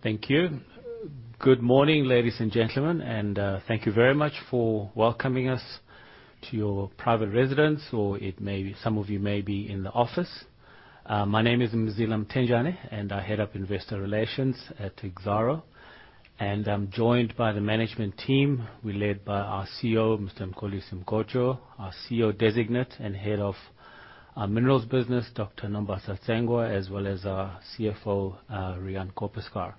Thank you. Good morning, ladies and gentlemen, thank you very much for welcoming us to your private residence, or some of you may be in the office. My name is Mzila Mthenjane, I head up investor relations at Exxaro. I'm joined by the management team. We're led by our CEO, Mr. Mxolisi Mgojo, our CEO designate and head of our minerals business, Dr. Nombasa Tsengwa, as well as our CFO, Riaan Koppeschaar.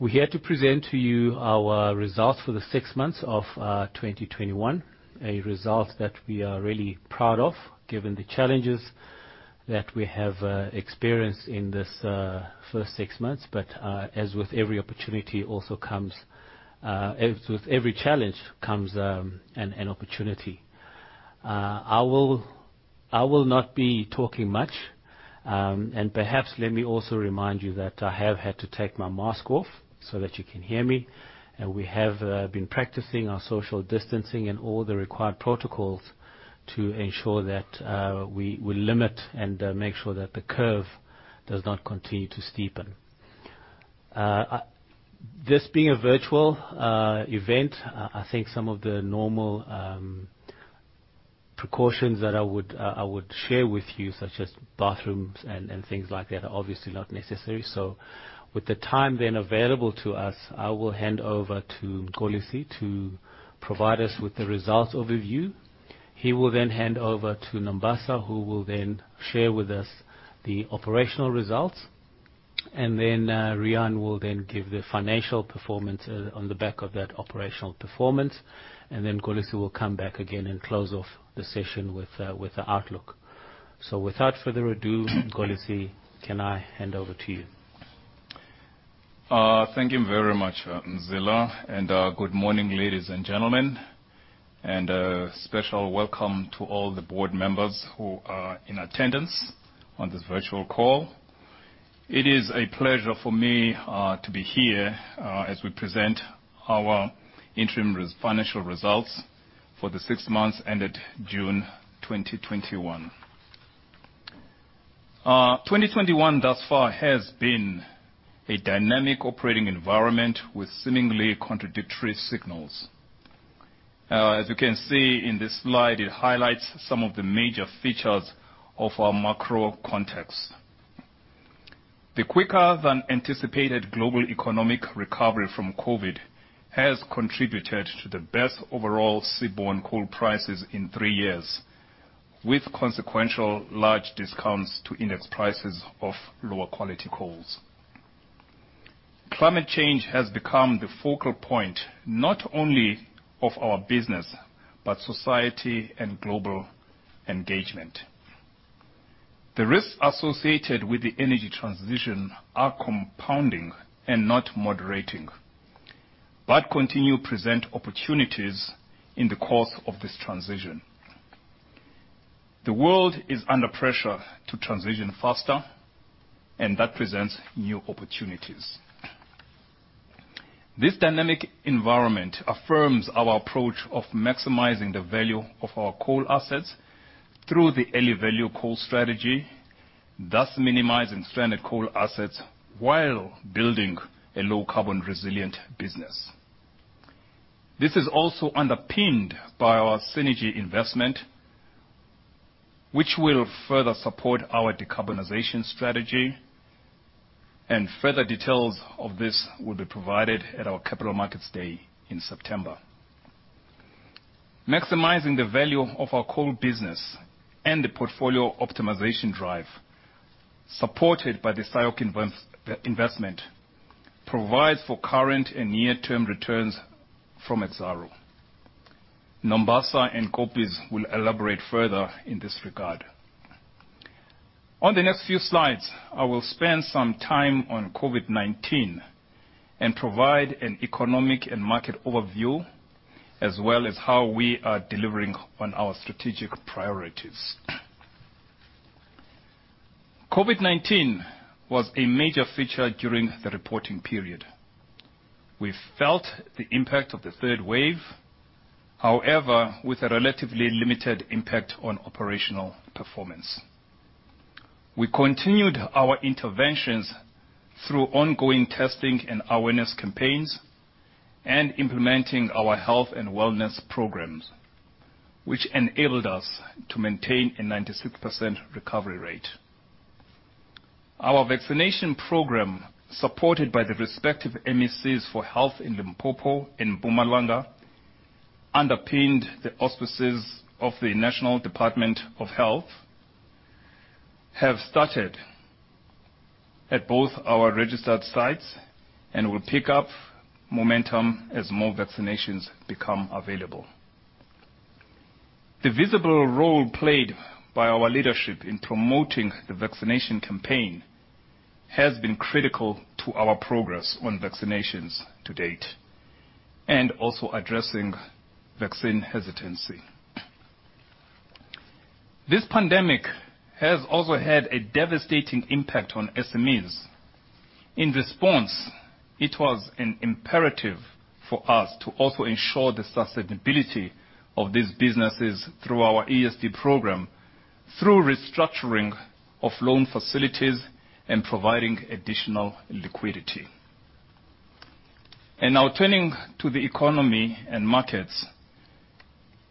We're here to present to you our results for the six months of 2021, a result that we are really proud of given the challenges that we have experienced in this first six months. As with every challenge comes an opportunity. I will not be talking much. Perhaps let me also remind you that I have had to take my mask off so that you can hear me. We have been practicing our social distancing and all the required protocols to ensure that we limit and make sure that the curve does not continue to steepen. This being a virtual event, I think some of the normal precautions that I would share with you, such as bathrooms and things like that, are obviously not necessary. With the time then available to us, I will hand over to Mxolisi to provide us with the results overview. He will then hand over to Nombasa, who will then share with us the operational results. Then Riaan will then give the financial performance on the back of that operational performance, and then Mxolisi will come back again and close off the session with the outlook. Without further ado, Mxolisi, can I hand over to you? Thank you very much, Mzila. Good morning, ladies and gentlemen. A special welcome to all the board members who are in attendance on this virtual call. It is a pleasure for me to be here as we present our interim financial results for the six months ended June 2021. 2021 thus far has been a dynamic operating environment with seemingly contradictory signals. As you can see in this slide, it highlights some of the major features of our macro context. The quicker than anticipated global economic recovery from COVID has contributed to the best overall seaborne coal prices in three years, with consequential large discounts to index prices of lower quality coals. Climate change has become the focal point not only of our business, but society and global engagement. The risks associated with the energy transition are compounding and not moderating, but continue to present opportunities in the course of this transition. The world is under pressure to transition faster, and that presents new opportunities. This dynamic environment affirms our approach of maximizing the value of our coal assets through the early value coal strategy, thus minimizing stranded coal assets while building a low carbon resilient business. This is also underpinned by our Cennergi investment, which will further support our decarbonization strategy, and further details of this will be provided at our Capital Markets Day in September. Maximizing the value of our coal business and the portfolio optimization drive, supported by the Sishen investment, provides for current and near-term returns from Exxaro. Nombasa and Koppes will elaborate further in this regard. On the next few slides, I will spend some time on COVID-19 and provide an economic and market overview, as well as how we are delivering on our strategic priorities. COVID-19 was a major feature during the reporting period. We felt the impact of the third wave, however, with a relatively limited impact on operational performance. We continued our interventions through ongoing testing and awareness campaigns and implementing our health and wellness programs, which enabled us to maintain a 96% recovery rate. Our vaccination program, supported by the respective MECs for Health in Limpopo and Mpumalanga, underpinned the auspices of the National Department of Health, have started at both our registered sites and will pick up momentum as more vaccinations become available. The visible role played by our leadership in promoting the vaccination campaign has been critical to our progress on vaccinations to date, and also addressing vaccine hesitancy. This pandemic has also had a devastating impact on SMEs. In response, it was imperative for us to also ensure the sustainability of these businesses through our ESD program, through restructuring of loan facilities, and providing additional liquidity. Now turning to the economy and markets.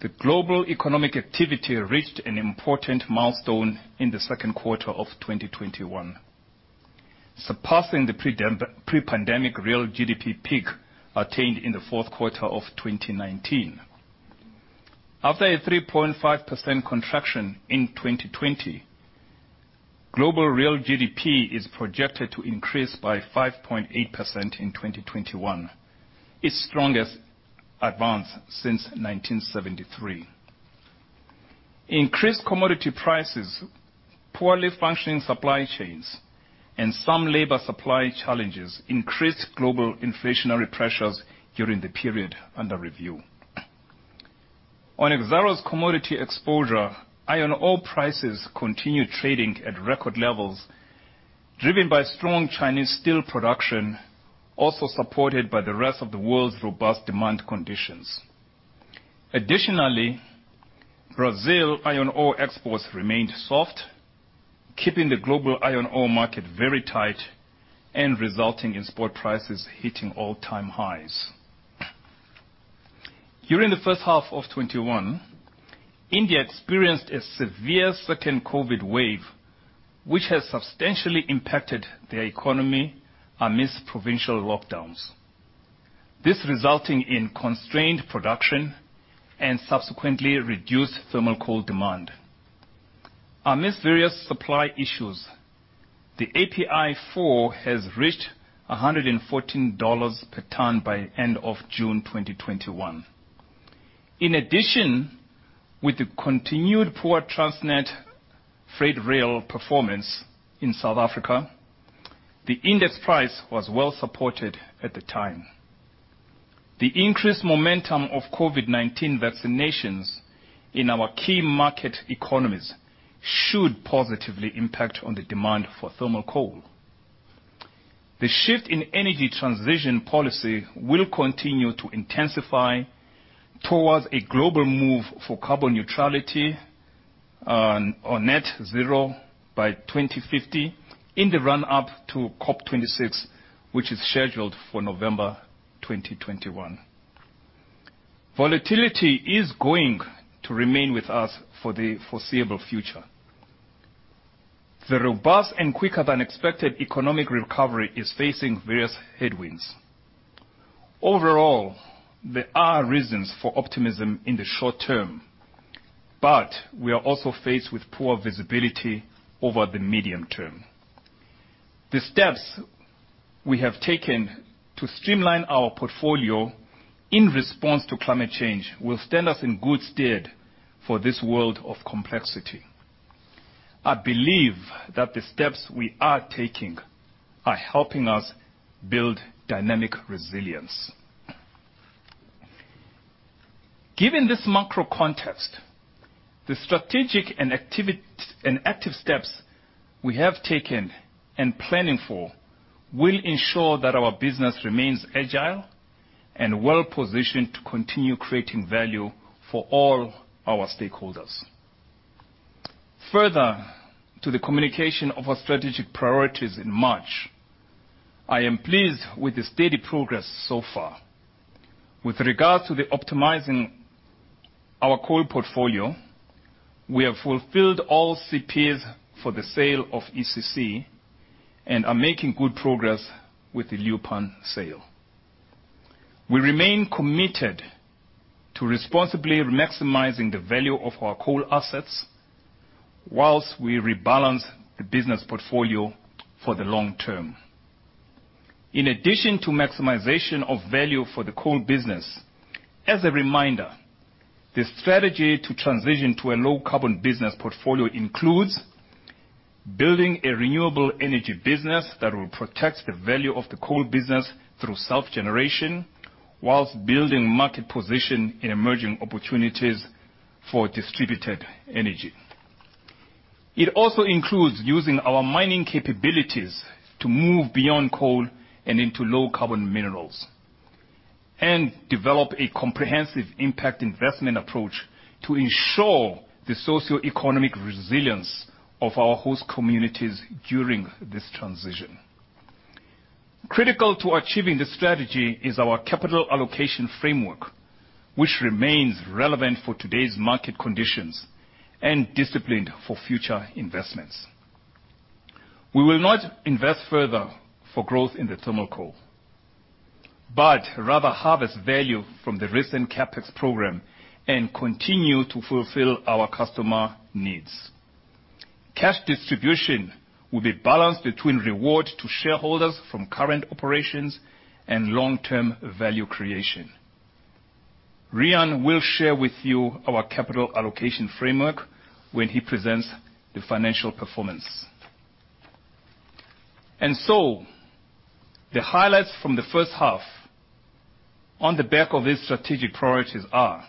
The global economic activity reached an important milestone in the second quarter of 2021, surpassing the pre-pandemic real GDP peak attained in the fourth quarter of 2019. After a 3.5% contraction in 2020, global real GDP is projected to increase by 5.8% in 2021, its strongest advance since 1973. Increased commodity prices, poorly functioning supply chains, and some labor supply challenges increased global inflationary pressures during the period under review. On Exxaro's commodity exposure, iron ore prices continued trading at record levels, driven by strong Chinese steel production, also supported by the rest of the world's robust demand conditions. Additionally, Brazil iron ore exports remained soft, keeping the global iron ore market very tight and resulting in spot prices hitting all-time highs. During the first half of 2021, India experienced a severe second COVID wave, which has substantially impacted their economy amidst provincial lockdowns, this resulting in constrained production and subsequently reduced thermal coal demand. Amidst various supply issues, the API4 has reached $114 per ton by end of June 2021. In addition, with the continued poor Transnet Freight Rail performance in South Africa, the index price was well supported at the time. The increased momentum of COVID-19 vaccinations in our key market economies should positively impact on the demand for thermal coal. The shift in energy transition policy will continue to intensify towards a global move for carbon neutrality or net zero by 2050 in the run-up to COP26, which is scheduled for November 2021. Volatility is going to remain with us for the foreseeable future. The robust and quicker-than-expected economic recovery is facing various headwinds. Overall, there are reasons for optimism in the short term, but we are also faced with poor visibility over the medium term. The steps we have taken to streamline our portfolio in response to climate change will stand us in good stead for this world of complexity. I believe that the steps we are taking are helping us build dynamic resilience. Given this macro context, the strategic and active steps we have taken and planning for will ensure that our business remains agile and well-positioned to continue creating value for all our stakeholders. Further to the communication of our strategic priorities in March, I am pleased with the steady progress so far. With regards to optimizing our coal portfolio, we have fulfilled all CPs for the sale of ECC and are making good progress with the Leeuwpan sale. We remain committed to responsibly maximizing the value of our coal assets whilst we rebalance the business portfolio for the long term. In addition to maximization of value for the coal business, as a reminder, the strategy to transition to a low-carbon business portfolio includes building a renewable energy business that will protect the value of the coal business through self-generation, whilst building market position in emerging opportunities for distributed energy. It also includes using our mining capabilities to move beyond coal and into low carbon minerals and develop a comprehensive impact investment approach to ensure the socioeconomic resilience of our host communities during this transition. Critical to achieving this strategy is our capital allocation framework, which remains relevant for today's market conditions and disciplined for future investments. We will not invest further for growth in the thermal coal but rather harvest value from the recent CapEx program and continue to fulfill our customer needs. Cash distribution will be balanced between reward to shareholders from current operations and long-term value creation. Riaan will share with you our capital allocation framework when he presents the financial performance. The highlights from the first half on the back of these strategic priorities are,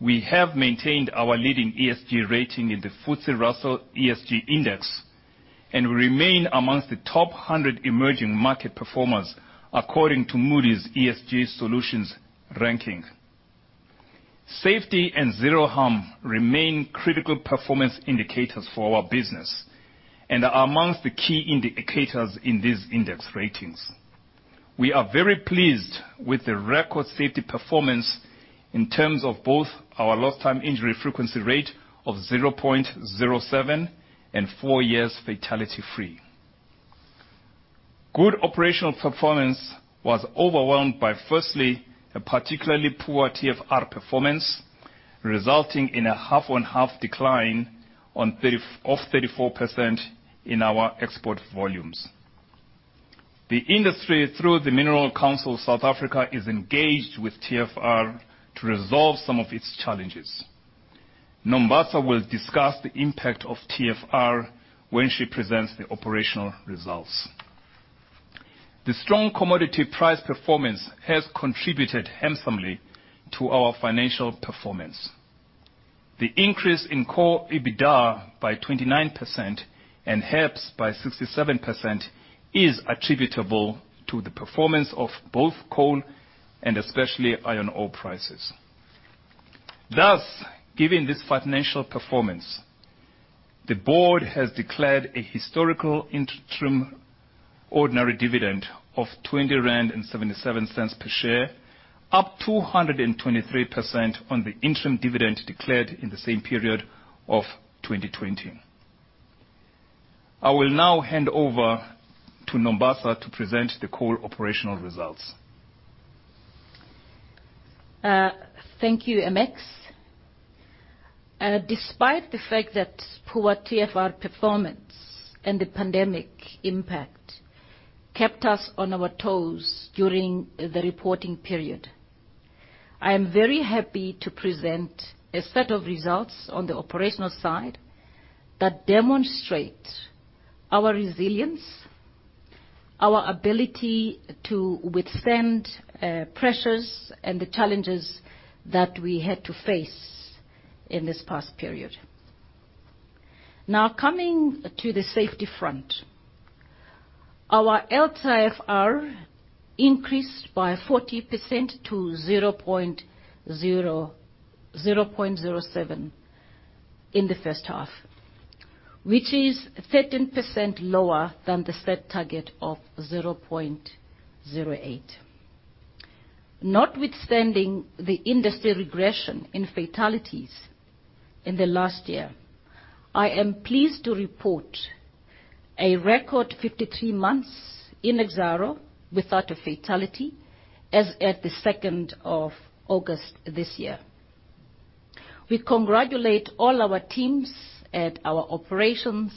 we have maintained our leading ESG rating in the FTSE Russell ESG Index, and we remain amongst the 100 emerging market performers according to Moody's ESG Solutions ranking. Safety and zero harm remain critical performance indicators for our business and are amongst the key indicators in these index ratings. We are very pleased with the record safety performance in terms of both our LTIFR of 0.07 and four years fatality-free. Good operational performance was overwhelmed by firstly, a particularly poor TFR performance, resulting in a half-on-half decline of 34% in our export volumes. The industry, through the Minerals Council of South Africa, is engaged with TFR to resolve some of its challenges. Nombasa will discuss the impact of TFR when she presents the operational results. The strong commodity price performance has contributed handsomely to our financial performance. The increase in core EBITDA by 29% and HEPS by 67% is attributable to the performance of both coal and especially iron ore prices. Given this financial performance, the board has declared a historical interim ordinary dividend of 20.77 rand per share, up 223% on the interim dividend declared in the same period of 2020. I will now hand over to Nombasa to present the coal operational results. Thank you, Mx. Despite the fact that poor TFR performance and the pandemic impact kept us on our toes during the reporting period, I am very happy to present a set of results on the operational side that demonstrate our resilience, our ability to withstand pressures, and the challenges that we had to face in this past period. Coming to the safety front. Our LTIFR increased by 40% to 0.07 in the first half, which is 13% lower than the set target of 0.08. Notwithstanding the industry regression in fatalities in the last year, I am pleased to report a record 53 months in Exxaro without a fatality as at the 2nd of August this year. We congratulate all our teams at our operations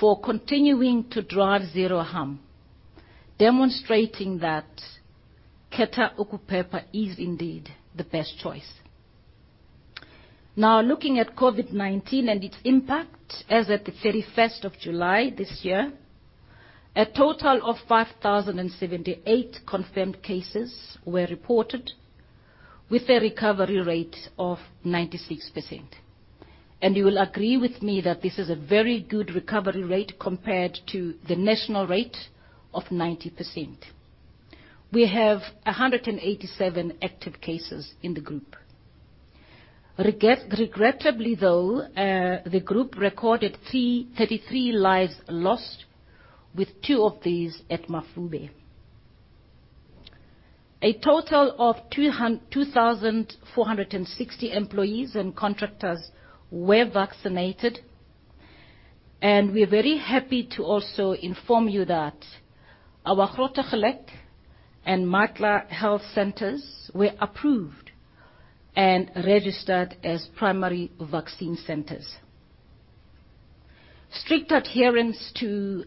for continuing to drive zero harm, demonstrating that [unintelligible] is indeed the best choice. Looking at COVID-19 and its impact as at the 31st of July this year, a total of 5,078 confirmed cases were reported with a recovery rate of 96%. You will agree with me that this is a very good recovery rate compared to the national rate of 90%. We have 187 active cases in the group. Regrettably though, the group recorded 33 lives lost, with two of these at Mafube. A total of 2,460 employees and contractors were vaccinated, and we're very happy to also inform you that our Grootegeluk and Matla health centers were approved and registered as primary vaccine centers. Strict adherence to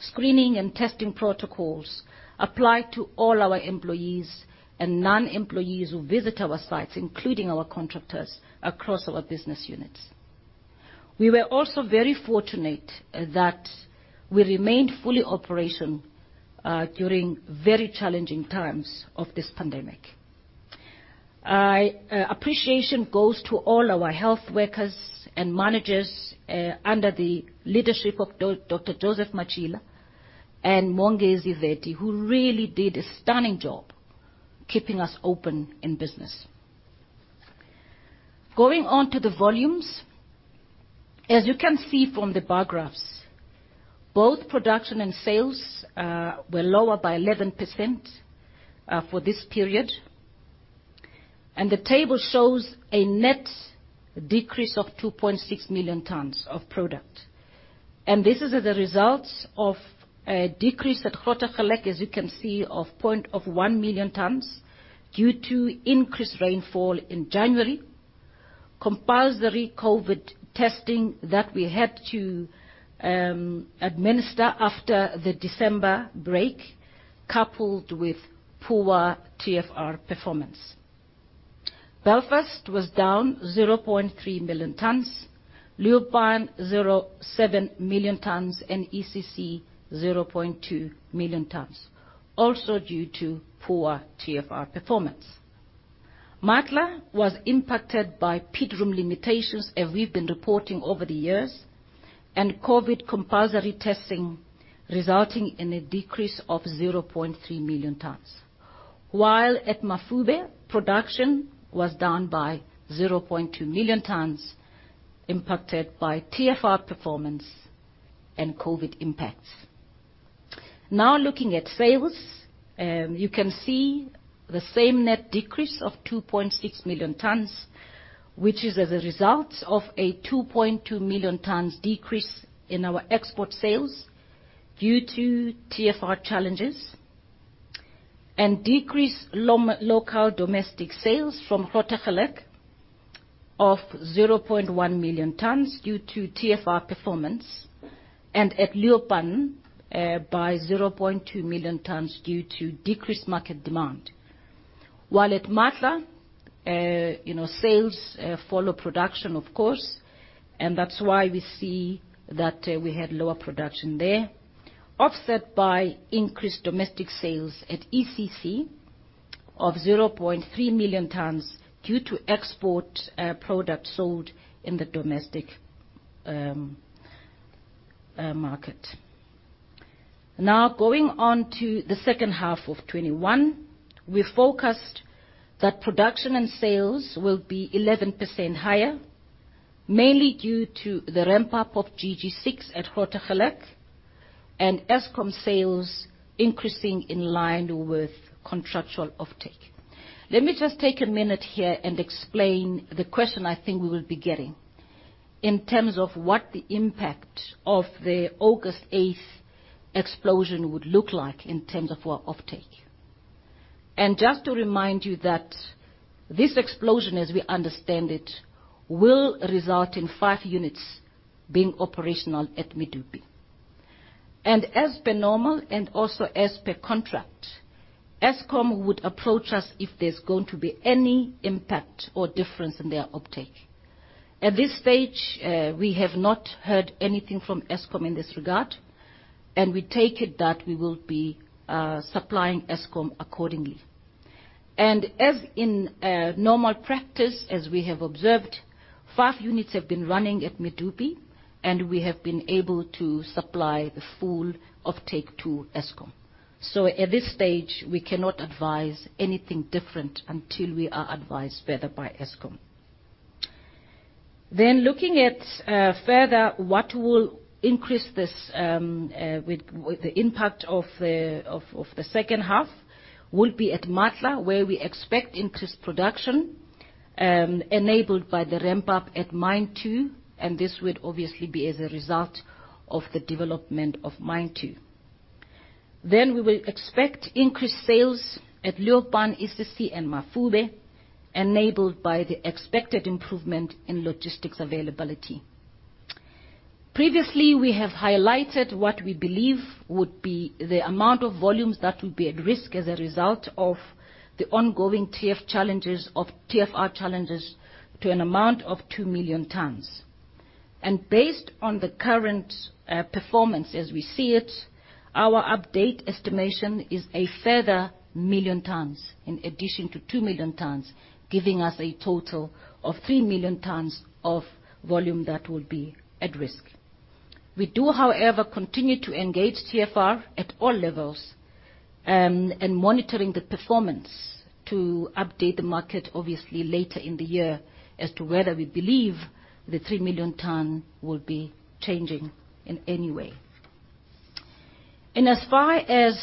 screening and testing protocols apply to all our employees and non-employees who visit our sites, including our contractors across our business units. We were also very fortunate that we remained fully operational during very challenging times of this pandemic. Appreciation goes to all our health workers and managers under the leadership of Dr. Joseph Matjila and Mongezi Veti, who really did a stunning job keeping us open in business. Going on to the volumes. As you can see from the bar graphs, both production and sales were lower by 11% for this period. The table shows a net decrease of 2.6 million tons of product. This is the results of a decrease at Grootegeluk, as you can see, of 1 million tons due to increased rainfall in January, compulsory COVID testing that we had to administer after the December break, coupled with poor TFR performance. Belfast was down 0.3 million tons, Leeuwpan, 0.7 million tons, and ECC, 0.2 million tons, also due to poor TFR performance. Matla was impacted by pit room limitations, as we've been reporting over the years, and COVID compulsory testing, resulting in a decrease of 0.3 million tonnes. While at Mafube, production was down by 0.2 million tonnes impacted by TFR performance and COVID impacts. Now looking at sales, you can see the same net decrease of 2.6 million tonnes, which is as a result of a 2.2 million tonnes decrease in our export sales due to TFR challenges and decrease local domestic sales from Goedgevlei of 0.1 million tonnes due to TFR performance, and at Leeuwpan by 0.2 million tonnes due to decreased market demand. While at Matla, sales follow production, of course, and that's why we see that we had lower production there, offset by increased domestic sales at ECC of 0.3 million tonnes due to export product sold in the domestic market. Going on to the second half of 2021, we forecast that production and sales will be 11% higher, mainly due to the ramp-up of GG6 at Goedgevlei and Eskom sales increasing in line with contractual offtake. Let me just take a minute here and explain the question I think we will be getting in terms of what the impact of the August 8th explosion would look like in terms of our offtake. Just to remind you that this explosion, as we understand it, will result in 5 units being operational at Medupi. As per normal and also as per contract, Eskom would approach us if there's going to be any impact or difference in their offtake. At this stage, we have not heard anything from Eskom in this regard, and we take it that we will be supplying Eskom accordingly. As in normal practice, as we have observed, five units have been running at Medupi, and we have been able to supply the full offtake to Eskom. At this stage, we cannot advise anything different until we are advised further by Eskom. Looking at further what will increase this with the impact of the second half will be at Matla, where we expect increased production enabled by the ramp-up at mine two, and this would obviously be as a result of the development of mine two. We will expect increased sales at Leeuwpan, ECC, and Mafube, enabled by the expected improvement in logistics availability. Previously, we have highlighted what we believe would be the amount of volumes that will be at risk as a result of the ongoing TFR challenges to an amount of 2 million tons. Based on the current performance as we see it, our update estimation is a further 1 million tonnes in addition to 2 million tonnes, giving us a total of 3 million tonnes of volume that will be at risk. We do, however, continue to engage TFR at all levels and monitoring the performance to update the market obviously later in the year as to whether we believe the 3 million tonnes will be changing in any way. As far as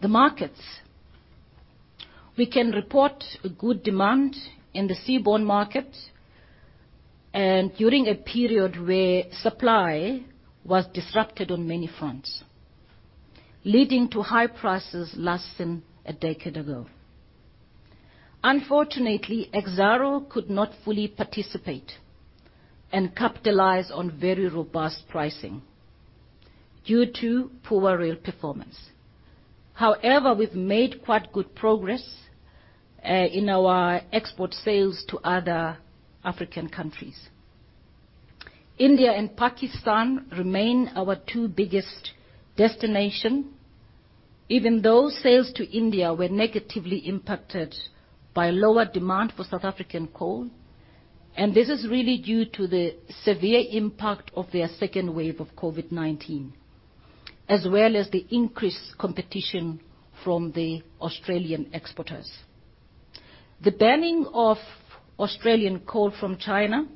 the markets, we can report a good demand in the seaborne market during a period where supply was disrupted on many fronts, leading to high prices less than a decade ago. Unfortunately, Exxaro could not fully participate and capitalize on very robust pricing due to poor rail performance. However, we've made quite good progress in our export sales to other African countries. India and Pakistan remain our two biggest destinations. Those sales to India were negatively impacted by lower demand for South African coal, and this is really due to the severe impact of their second wave of COVID-19, as well as the increased competition from the Australian exporters. The banning of Australian coal from China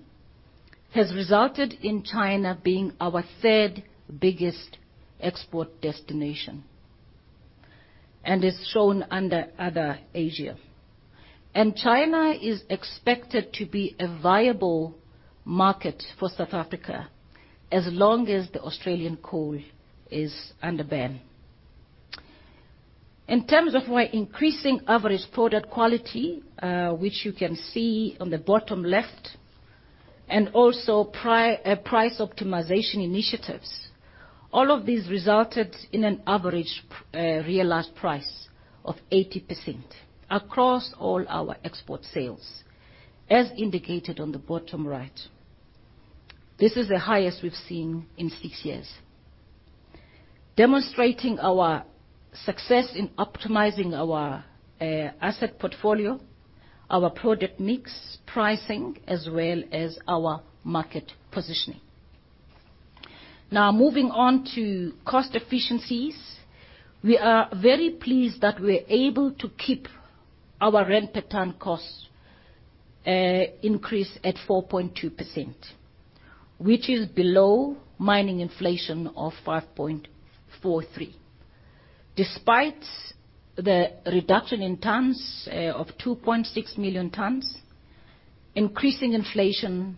has resulted in China being our third biggest export destination and is shown under other Asia. China is expected to be a viable market for South Africa as long as the Australian coal is under ban. In terms of our increasing average product quality, which you can see on the bottom left. Also price optimization initiatives. All of these resulted in an average realized price of 80% across all our export sales, as indicated on the bottom right. This is the highest we've seen in 6 years. Demonstrating our success in optimizing our asset portfolio, our product mix pricing, as well as our market positioning. Now, moving on to cost efficiencies. We are very pleased that we're able to keep our rand per ton cost increase at 4.2%, which is below mining inflation of 5.43%. Despite the reduction in tons of 2.6 million tons, increasing inflation,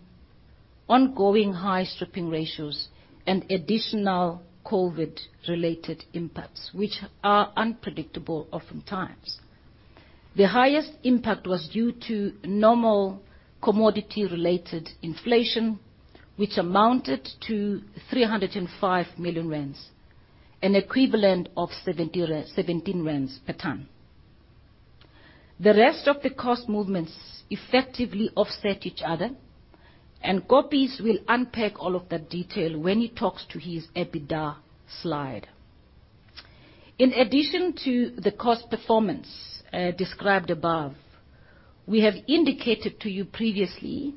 ongoing high stripping ratios, and additional COVID-related impacts, which are unpredictable oftentimes. The highest impact was due to normal commodity-related inflation, which amounted to 305 million rand, an equivalent of 17 rand per ton. The rest of the cost movements effectively offset each other. Koppes will unpack all of that detail when he talks to his EBITDA slide. In addition to the cost performance described above, we have indicated to you previously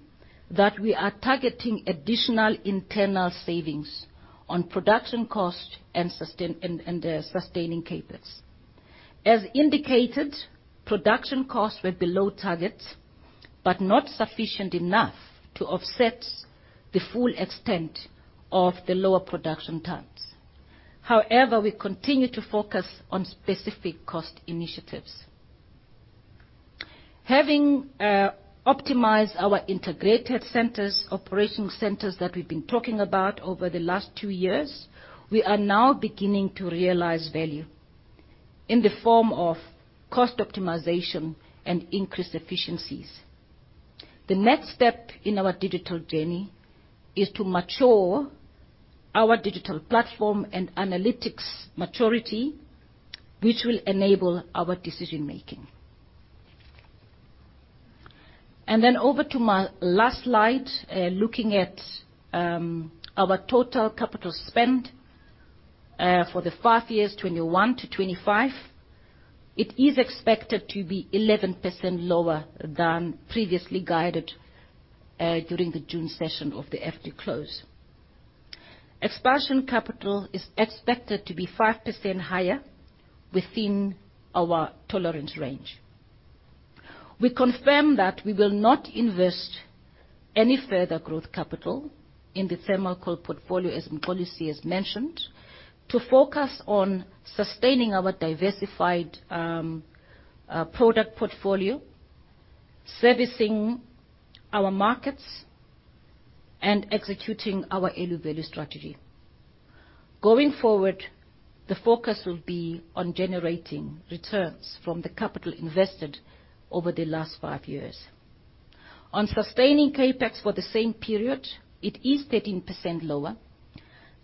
that we are targeting additional internal savings on production cost and sustaining CapEx. As indicated, production costs were below targets, but not sufficient enough to offset the full extent of the lower production tons. However, we continue to focus on specific cost initiatives. Having optimized our integrated operating centers that we've been talking about over the last two years, we are now beginning to realize value in the form of cost optimization and increased efficiencies. The next step in our digital journey is to mature our digital platform and analytics maturity, which will enable our decision-making. Over to my last slide, looking at our total capital spend for the 5 years 2021-2025. It is expected to be 11% lower than previously guided during the June session of the FD close. Expansion capital is expected to be 5% higher within our tolerance range. We confirm that we will not invest any further growth capital in the thermal coal portfolio, as policy as mentioned, to focus on sustaining our diversified product portfolio, servicing our markets, and executing our value strategy. Going forward, the focus will be on generating returns from the capital invested over the last 5 years. On sustaining CapEx for the same period, it is 13% lower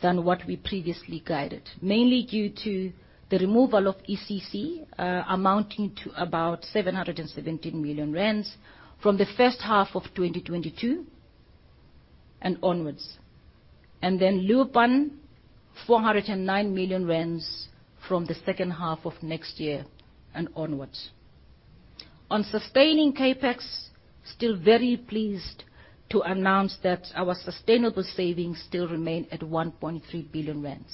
than what we previously guided, mainly due to the removal of ECC, amounting to about 770 million rand from the first half of 2022 and onwards. Leeuwpan 409 million rand from the second half of next year and onwards. On sustaining CapEx, still very pleased to announce that our sustainable savings still remain at 1.3 billion rand.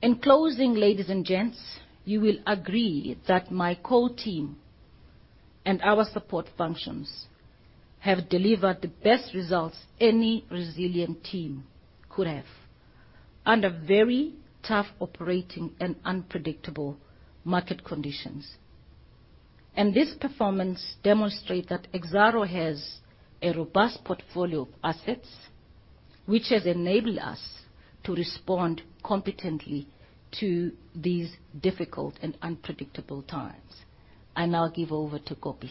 In closing, ladies and gents, you will agree that my core team and our support functions have delivered the best results any resilient team could have under very tough operating and unpredictable market conditions. This performance demonstrate that Exxaro has a robust portfolio of assets, which has enabled us to respond competently to these difficult and unpredictable times. I now give over to Koppes.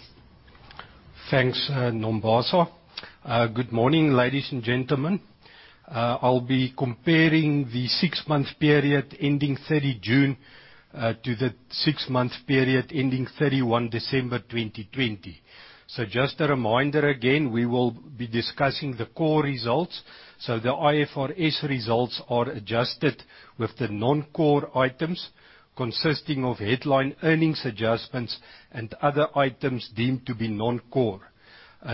Thanks, Nombasa. Good morning, ladies and gentlemen. I'll be comparing the six-month period ending 30 June, to the six-month period ending 31 December 2020. Just a reminder again, we will be discussing the core results, so the IFRS results are adjusted with the non-core items consisting of headline earnings adjustments and other items deemed to be non-core.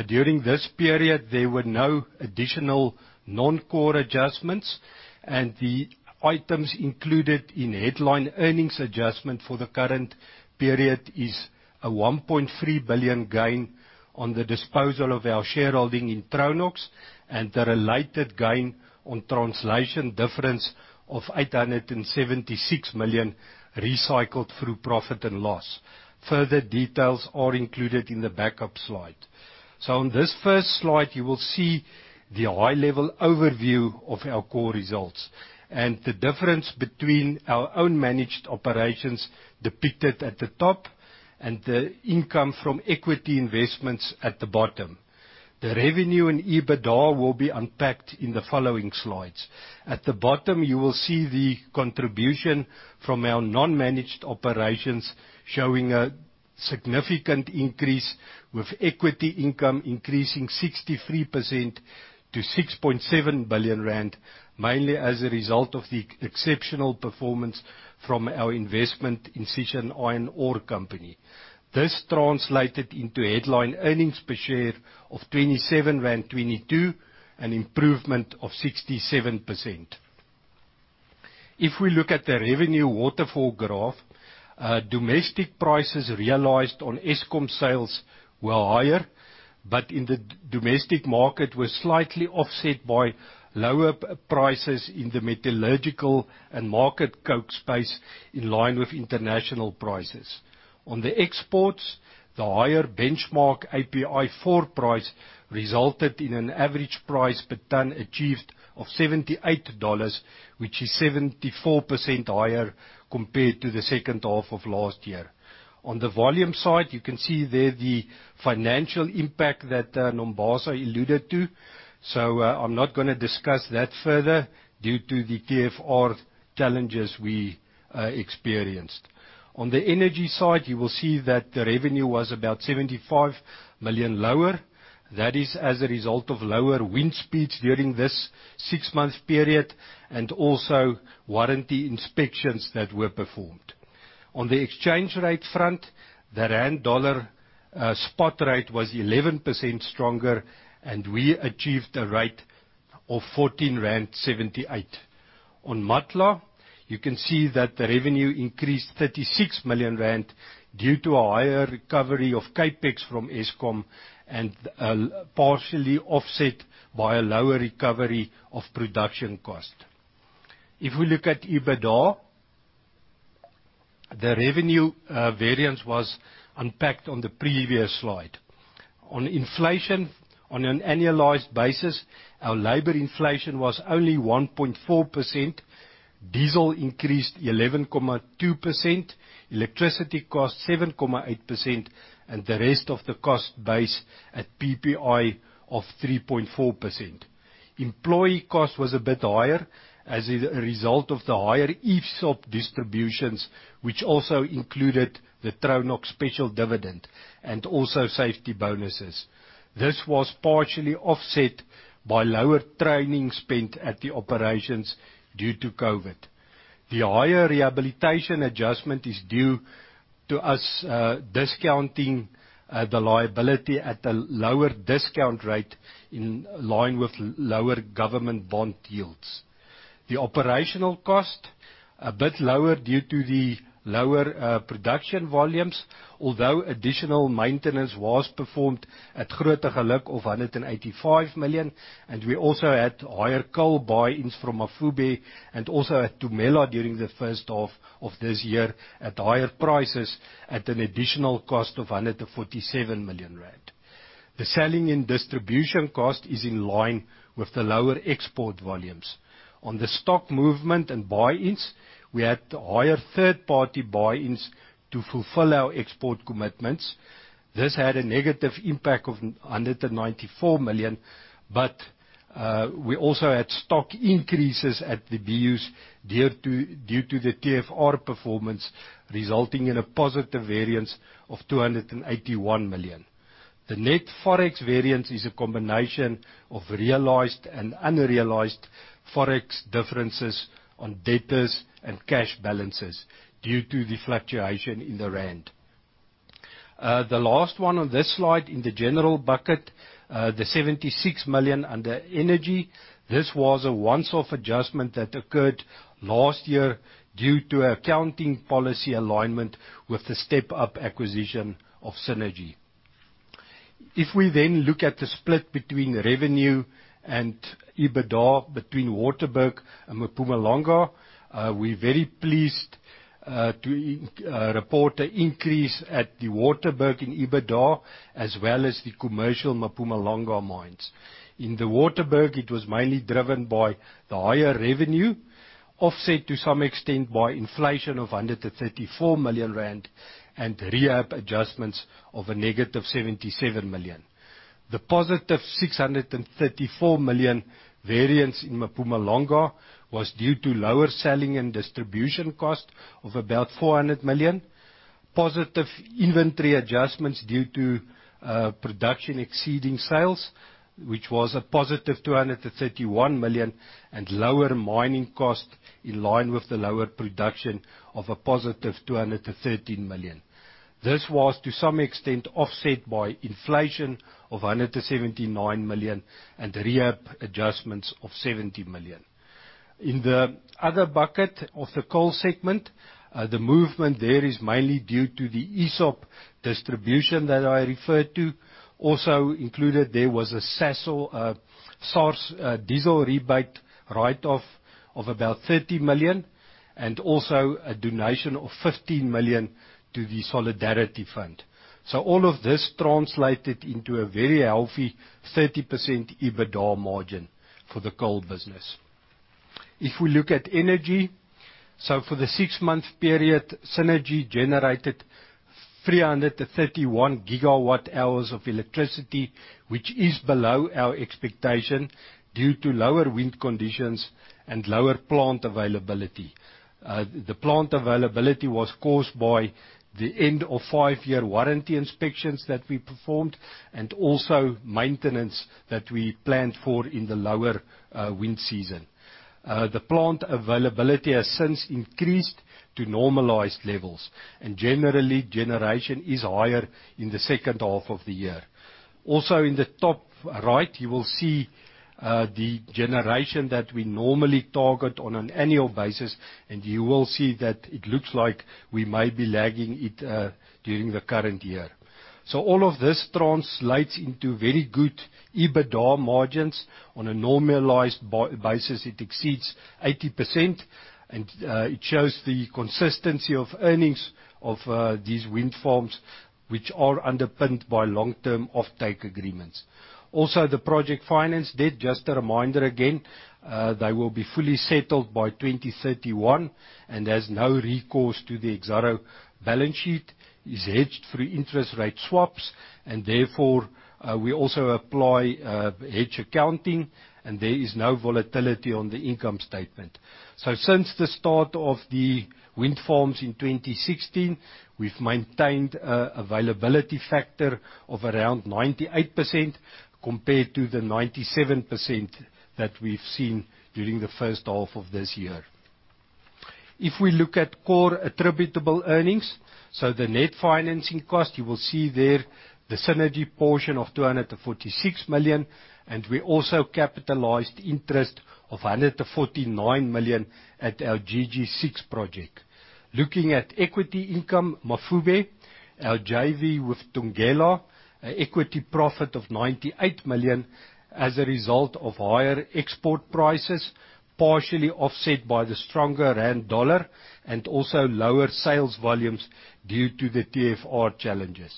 During this period, there were no additional non-core adjustments, and the items included in headline earnings adjustment for the current period is a 1.3 billion gain on the disposal of our shareholding in Tronox and the related gain on translation difference of 876 million recycled through profit and loss. Further details are included in the backup slide. On this first slide, you will see the high-level overview of our core results and the difference between our own managed operations depicted at the top and the income from equity investments at the bottom. The revenue and EBITDA will be unpacked in the following slides. At the bottom, you will see the contribution from our non-managed operations showing Significant increase with equity income increasing 63% to 6.7 billion rand, mainly as a result of the exceptional performance from our investment in Sishen Iron Ore Company. This translated into headline earnings per share of 27.22, an improvement of 67%. If we look at the revenue waterfall graph, domestic prices realized on Eskom sales were higher, but in the domestic market was slightly offset by lower prices in the metallurgical and market coke space in line with international prices. On the exports, the higher benchmark API 4 price resulted in an average price per ton achieved of $78, which is 74% higher compared to the second half of last year. On the volume side, you can see there the financial impact that Nombasa alluded to. I'm not going to discuss that further due to the TFR challenges we experienced. On the energy side, you will see that the revenue was about 75 million lower. That is as a result of lower wind speeds during this six-month period and also warranty inspections that were performed. On the exchange rate front, the rand dollar spot rate was 11% stronger, and we achieved a rate of 14.78 rand. On Matla, you can see that the revenue increased 36 million rand due to a higher recovery of CapEx from Eskom and partially offset by a lower recovery of production cost. If we look at EBITDA, the revenue variance was unpacked on the previous slide. On inflation, on an annualized basis, our labor inflation was only 1.4%. Diesel increased 11.2%, electricity cost 7.8%, and the rest of the cost base at PPI of 3.4%. Employee cost was a bit higher as a result of the higher ESOP distributions, which also included the Tronox special dividend and also safety bonuses. This was partially offset by lower training spent at the operations due to COVID. The higher rehabilitation adjustment is due to us discounting the liability at a lower discount rate in line with lower government bond yields. The operational cost a bit lower due to the lower production volumes, although additional maintenance was performed at Grootegeluk of 185 million. We also had higher coal buy-ins from Mafube and also at Tumela during the first half of this year at higher prices at an additional cost of 147 million rand. The selling and distribution cost is in line with the lower export volumes. On the stock movement and buy-ins, we had higher third-party buy-ins to fulfill our export commitments. This had a negative impact of 194 million, but we also had stock increases at the BUs due to the TFR performance, resulting in a positive variance of 281 million. The net Forex variance is a combination of realized and unrealized Forex differences on debtors and cash balances due to the fluctuation in the rand. The last one on this slide in the general bucket, the 76 million under energy. This was a once-off adjustment that occurred last year due to accounting policy alignment with the step-up acquisition of Cennergi. We then look at the split between revenue and EBITDA between Waterberg and Mpumalanga, we're very pleased to report an increase at the Waterberg in EBITDA as well as the commercial Mpumalanga mines. In the Waterberg, it was mainly driven by the higher revenue, offset to some extent by inflation of 134 million rand and rehab adjustments of a negative 77 million. The positive 634 million variance in Mpumalanga was due to lower selling and distribution cost of about 400 million, positive inventory adjustments due to production exceeding sales, which was a positive 231 million, and lower mining cost in line with the lower production of a positive 213 million. This was to some extent offset by inflation of 179 million and rehab adjustments of 70 million. In the other bucket of the coal segment, the movement there is mainly due to the ESOP distribution that I referred to. Included there was a SARS diesel rebate write-off of about 30 million and also a donation of 15 million to the Solidarity Fund. All of this translated into a very healthy 30% EBITDA margin for the coal business. If we look at energy, for the six-month period, Cennergi generated 331 GWh of electricity, which is below our expectation due to lower wind conditions and lower plant availability. The plant availability was caused by the end of five-year warranty inspections that we performed and also maintenance that we planned for in the lower wind season. The plant availability has since increased to normalized levels and generally, generation is higher in the second half of the year. In the top right, you will see the generation that we normally target on an annual basis, and you will see that it looks like we may be lagging it during the current year. All of this translates into very good EBITDA margins. On a normalized basis, it exceeds 80%, and it shows the consistency of earnings of these wind farms, which are underpinned by long-term offtake agreements. The project finance debt, just a reminder again, they will be fully settled by 2031 and has no recourse to the Exxaro balance sheet. It is hedged through interest rate swaps and therefore, we also apply hedge accounting, and there is no volatility on the income statement. Since the start of the wind farms in 2016, we have maintained availability factor of around 98% compared to the 97% that we have seen during the first half of this year. If we look at core attributable earnings, the net financing cost, you will see there the Cennergi portion of 246 million, we also capitalized interest of 149 million at our GG6 project. Looking at equity income, Mafube, our JV with Thungela, an equity profit of 98 million as a result of higher export prices, partially offset by the stronger rand dollar and also lower sales volumes due to the TFR challenges.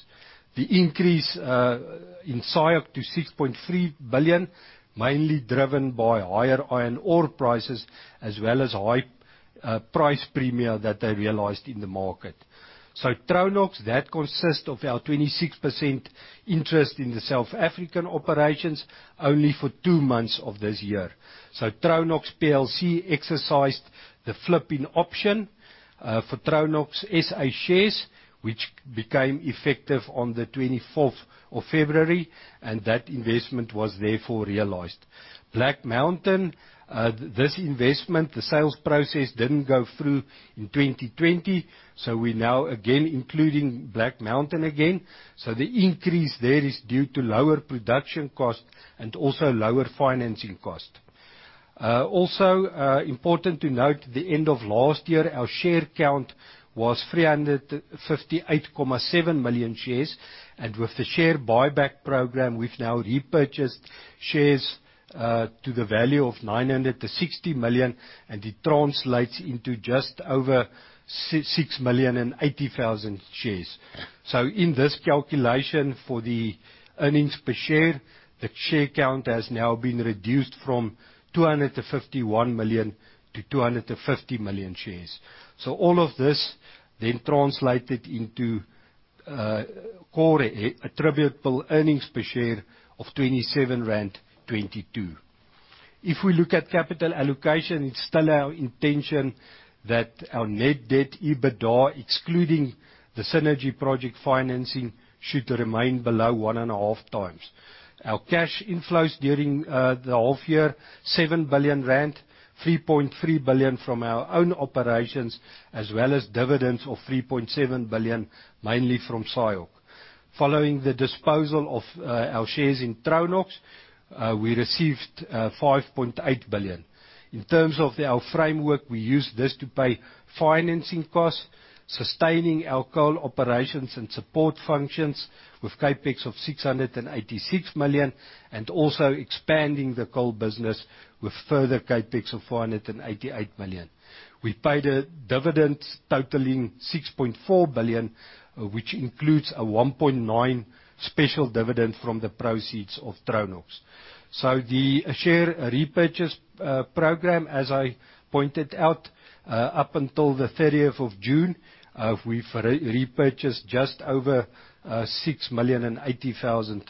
The increase in SIOC to 6.3 billion, mainly driven by higher iron ore prices as well as high price premium that they realized in the market. Tronox, that consists of our 26% interest in the South African operations only for two months of this year. Tronox PLC exercised the flip-in option for Tronox SA shares, which became effective on the 24th of February, that investment was therefore realized. Black Mountain, this investment, the sales process didn't go through in 2020, we now again including Black Mountain again. The increase there is due to lower production cost and also lower financing cost. Also important to note, the end of last year, our share count was 358.7 million shares, and with the share buyback program, we've now repurchased shares to the value of 960 million, and it translates into just over 6,080,000 shares. In this calculation for the earnings per share, the share count has now been reduced from 251 million to 250 million shares. All of this translated into core attributable earnings per share of R27.22. If we look at capital allocation, it's still our intention that our net debt, EBITDA, excluding the Cennergi project financing, should remain below one and a half times. Our cash inflows during the half year, 7 billion rand, 3.3 billion from our own operations, as well as dividends of 3.7 billion, mainly from SIOC. Following the disposal of our shares in Tronox, we received 5.8 billion. In terms of our framework, we used this to pay financing costs, sustaining our coal operations and support functions with CapEx of 686 million, and also expanding the coal business with further CapEx of 488 million. We paid a dividend totaling 6.4 billion, which includes a 1.9 special dividend from the proceeds of Tronox. The share repurchase program, as I pointed out, up until the 30th of June, we've repurchased just over 6,080,000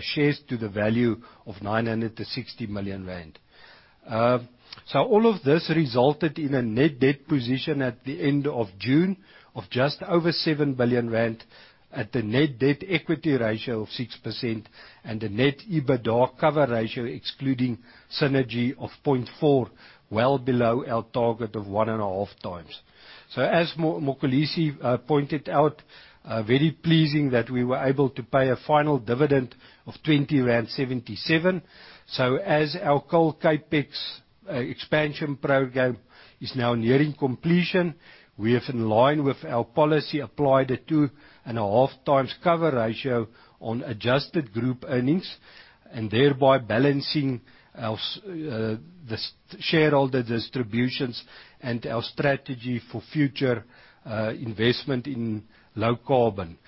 shares to the value of 960 million rand. All of this resulted in a net debt position at the end of June of just over 7 billion rand at the net debt equity ratio of 6% and a net EBITDA cover ratio excluding Cennergi of 0.4, well below our target of 1.5 times. As Mxolisi pointed out, very pleasing that we were able to pay a final dividend of 20.77 rand. As our coal CapEx expansion program is now nearing completion, we have in line with our policy applied 2.5 times cover ratio on adjusted group earnings, and thereby balancing our shareholder distributions and our strategy for future investment in low carbon.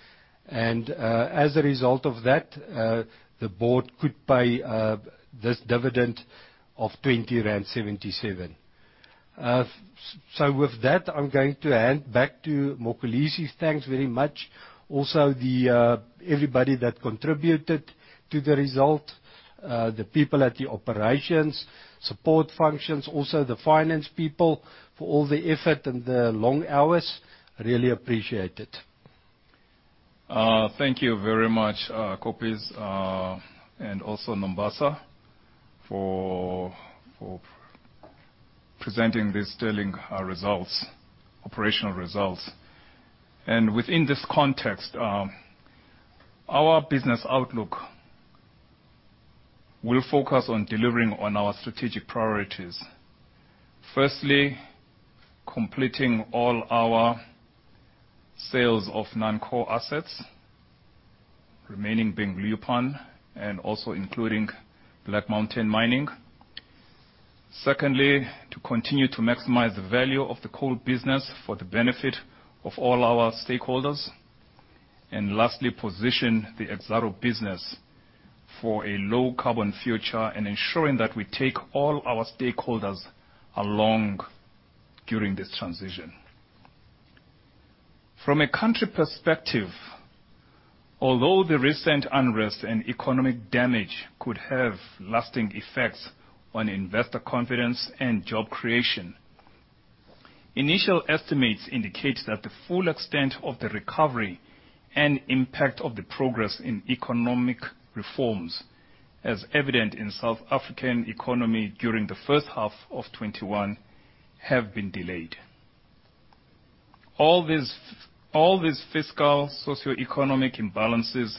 As a result of that, the board could pay this dividend of 20.77 rand. With that, I am going to hand back to Mxolisi. Thanks very much. Everybody that contributed to the result, the people at the operations, support functions, also the finance people for all the effort and the long hours, really appreciate it. Thank you very much, Koppes, also Nombasa, for presenting these sterling operational results. Within this context, our business outlook will focus on delivering on our strategic priorities. Firstly, completing all our sales of non-core assets, remaining being Leeuwpan, and also including Black Mountain Mining. Secondly, to continue to maximize the value of the coal business for the benefit of all our stakeholders. Lastly, position the Exxaro business for a low-carbon future, and ensuring that we take all our stakeholders along during this transition. From a country perspective, although the recent unrest and economic damage could have lasting effects on investor confidence and job creation, initial estimates indicate that the full extent of the recovery and impact of the progress in economic reforms, as evident in South African economy during the first half of 2021, have been delayed. All these fiscal socioeconomic imbalances,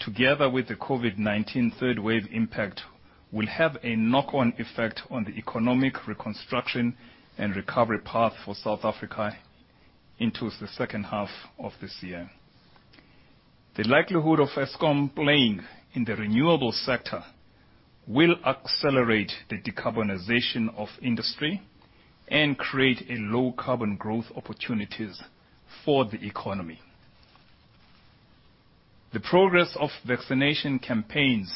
together with the COVID-19 third wave impact, will have a knock-on effect on the economic reconstruction and recovery path for South Africa into the second half of this year. The likelihood of Eskom playing in the renewable sector will accelerate the decarbonization of industry and create low-carbon growth opportunities for the economy. The progress of vaccination campaigns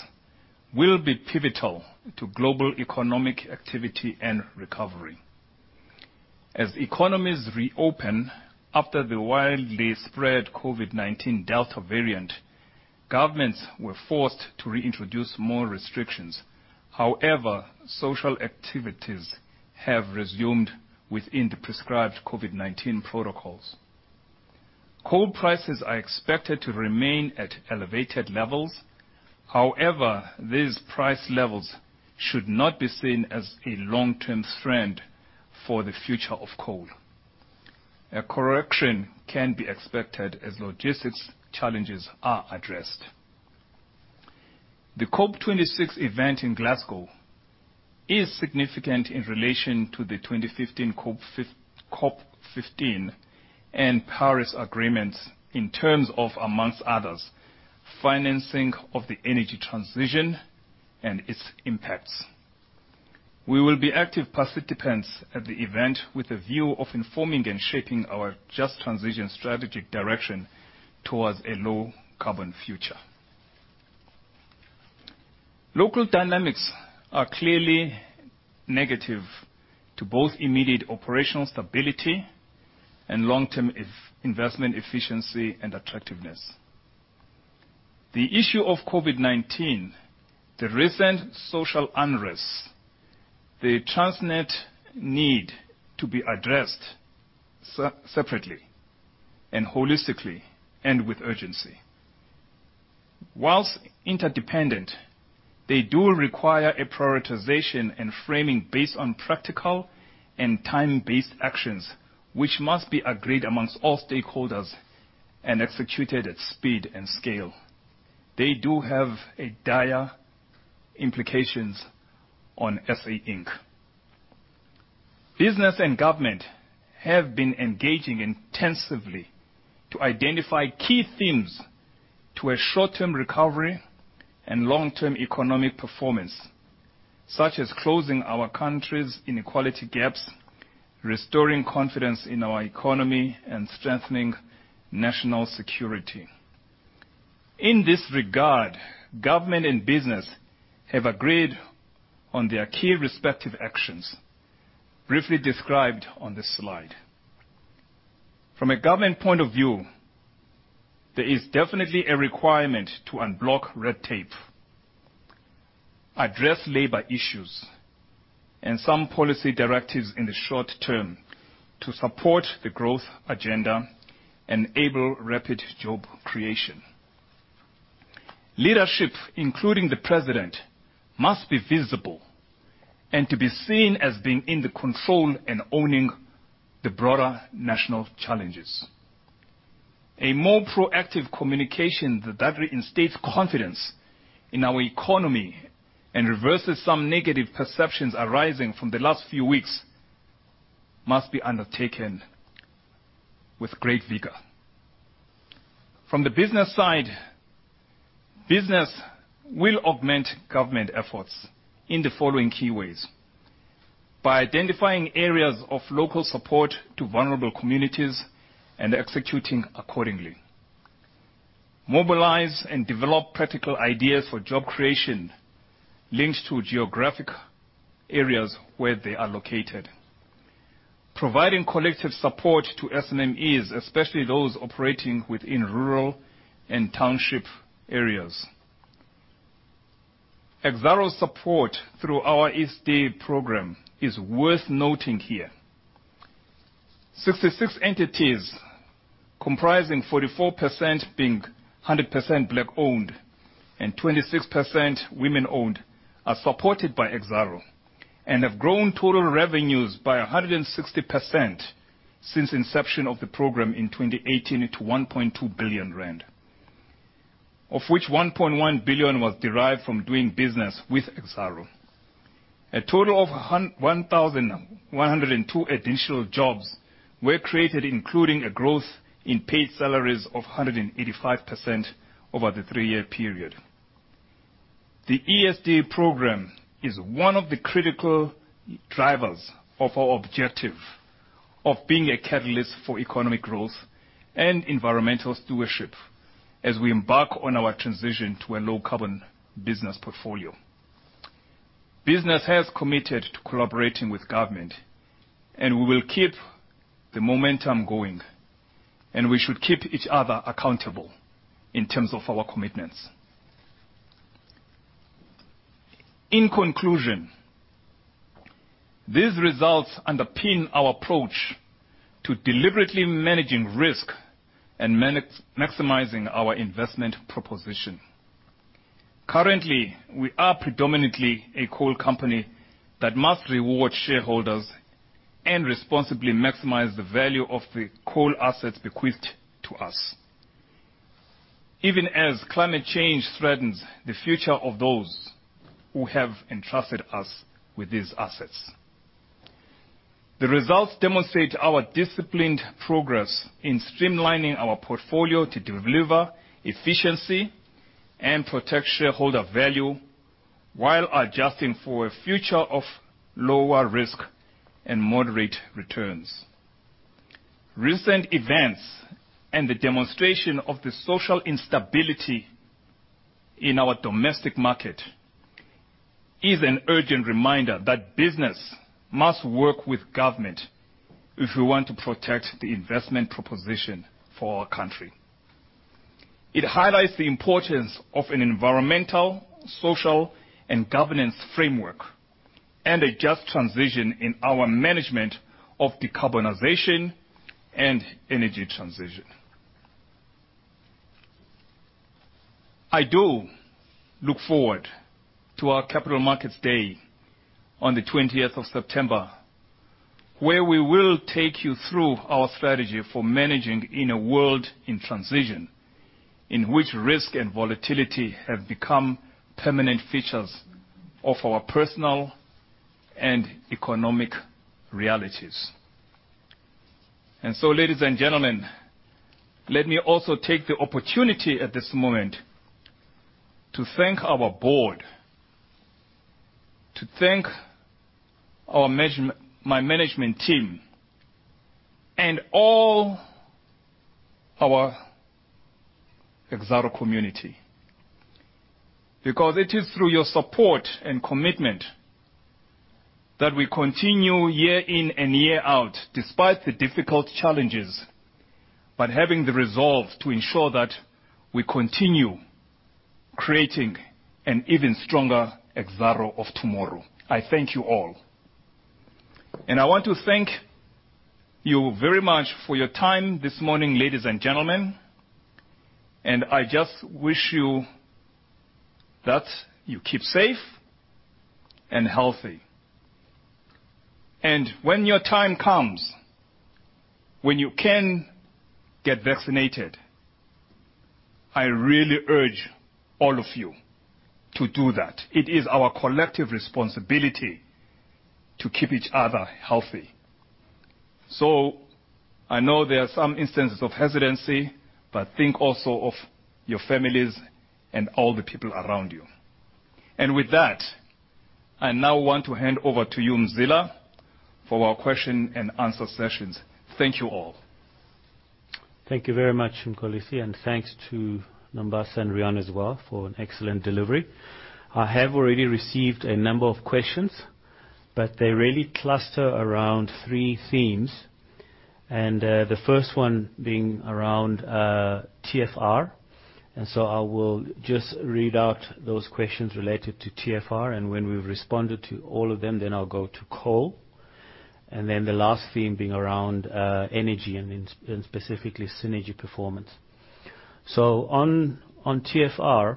will be pivotal to global economic activity and recovery. As economies reopen after the widely spread COVID-19 Delta variant, governments were forced to reintroduce more restrictions. However, social activities have resumed within the prescribed COVID-19 protocols. Coal prices are expected to remain at elevated levels. However, these price levels should not be seen as a long-term trend for the future of coal. A correction can be expected as logistics challenges are addressed. The COP26 event in Glasgow is significant in relation to the 2015 COP21 and Paris Agreement in terms of, among others, financing of the energy transition and its impacts. We will be active participants at the event with a view of informing and shaping our just transition strategic direction towards a low-carbon future. Local dynamics are clearly negative to both immediate operational stability and long-term investment efficiency and attractiveness. The issue of COVID-19, the recent social unrest, they transcend need to be addressed separately and holistically, and with urgency. While interdependent, they do require a prioritization and framing based on practical and time-based actions, which must be agreed among all stakeholders and executed at speed and scale. They do have dire implications on SA Inc. Business and government have been engaging intensively to identify key themes to a short-term recovery and long-term economic performance, such as closing our country's inequality gaps, restoring confidence in our economy, and strengthening national security. In this regard, government and business have agreed on their key respective actions, briefly described on this slide. From a government point of view, there is definitely a requirement to unblock red tape, address labor issues, and some policy directives in the short term to support the growth agenda and enable rapid job creation. Leadership, including the president, must be visible and to be seen as being in the control and owning the broader national challenges. A more proactive communication that reinstates confidence in our economy and reverses some negative perceptions arising from the last few weeks must be undertaken with great vigor. From the business side, business will augment government efforts in the following key ways: By identifying areas of local support to vulnerable communities and executing accordingly. Mobilize and develop practical ideas for job creation linked to geographic areas where they are located. Providing collective support to SMEs, especially those operating within rural and township areas. Exxaro's support through our ESD program is worth noting here. 66 entities, comprising 44% being 100% Black-owned and 26% women-owned, are supported by Exxaro and have grown total revenues by 160% since inception of the program in 2018 to 1.2 billion rand. Of which 1.1 billion was derived from doing business with Exxaro. A total of 1,102 additional jobs were created, including a growth in paid salaries of 185% over the three-year period. The ESD program is one of the critical drivers of our objective of being a catalyst for economic growth and environmental stewardship as we embark on our transition to a low-carbon business portfolio. Business has committed to collaborating with government, and we will keep the momentum going, and we should keep each other accountable in terms of our commitments. In conclusion, these results underpin our approach to deliberately managing risk and maximizing our investment proposition. Currently, we are predominantly a coal company that must reward shareholders and responsibly maximize the value of the coal assets bequeathed to us, even as climate change threatens the future of those who have entrusted us with these assets. The results demonstrate our disciplined progress in streamlining our portfolio to deliver efficiency and protect shareholder value while adjusting for a future of lower risk and moderate returns. Recent events and the demonstration of the social instability in our domestic market is an urgent reminder that business must work with government if we want to protect the investment proposition for our country. It highlights the importance of an environmental, social, and governance framework and a just transition in our management of decarbonization and energy transition. I do look forward to our Capital Markets Day on the 20th of September, where we will take you through our strategy for managing in a world in transition, in which risk and volatility have become permanent features of our personal and economic realities. Ladies and gentlemen, let me also take the opportunity at this moment to thank our board, to thank my management team, and all our Exxaro community, because it is through your support and commitment that we continue year in and year out, despite the difficult challenges, but having the resolve to ensure that we continue creating an even stronger Exxaro of tomorrow. I thank you all. I want to thank you very much for your time this morning, ladies and gentlemen, and I just wish you that you keep safe and healthy. When your time comes, when you can get vaccinated, I really urge all of you to do that. It is our collective responsibility to keep each other healthy. I know there are some instances of hesitancy, but think also of your families and all the people around you. With that, I now want to hand over to you, Mzila, for our question and answer sessions. Thank you all. Thank you very much, Mxolisi, and thanks to Nombasa and Riaan as well for an excellent delivery. I have already received a number of questions, but they really cluster around three themes. The first one being around TFR. I will just read out those questions related to TFR, and when we've responded to all of them, then I'll go to coal, and then the last theme being around energy and specifically Cennergi performance. On TFR,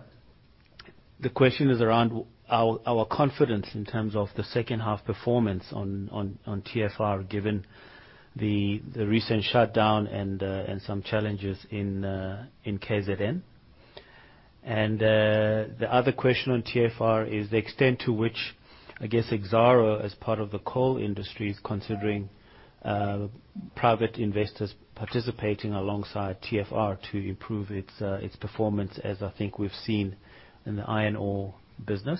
the question is around our confidence in terms of the second half performance on TFR, given the recent shutdown and some challenges in KZN. The other question on TFR is the extent to which, I guess, Exxaro as part of the coal industry is considering private investors participating alongside TFR to improve its performance as I think we've seen in the iron ore business.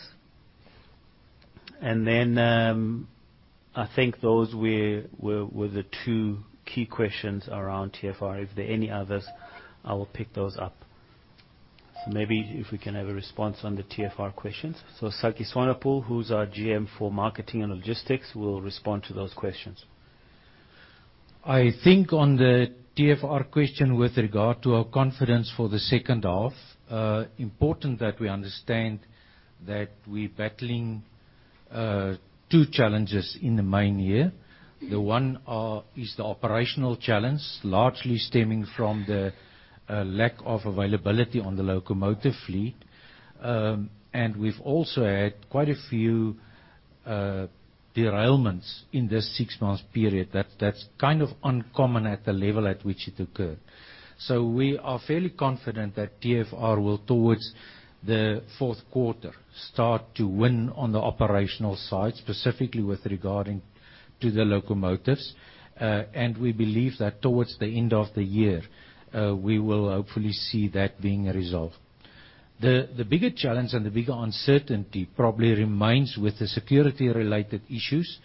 I think those were the two key questions around TFR. If there are any others, I will pick those up. Maybe if we can have a response on the TFR questions. Sakkie Swanepoel, who's our GM for marketing and logistics, will respond to those questions. I think on the TFR question with regard to our confidence for the second half, important that we understand that we're battling two challenges in the main here. The one is the operational challenge, largely stemming from the lack of availability on the locomotive fleet. We've also had quite a few derailments in this six-month period that's kind of uncommon at the level at which it occurred. We are fairly confident that TFR will, towards the fourth quarter, start to win on the operational side, specifically with regard to the locomotives. We believe that towards the end of the year, we will hopefully see that being resolved. The bigger challenge and the bigger uncertainty probably remains with the security-related issues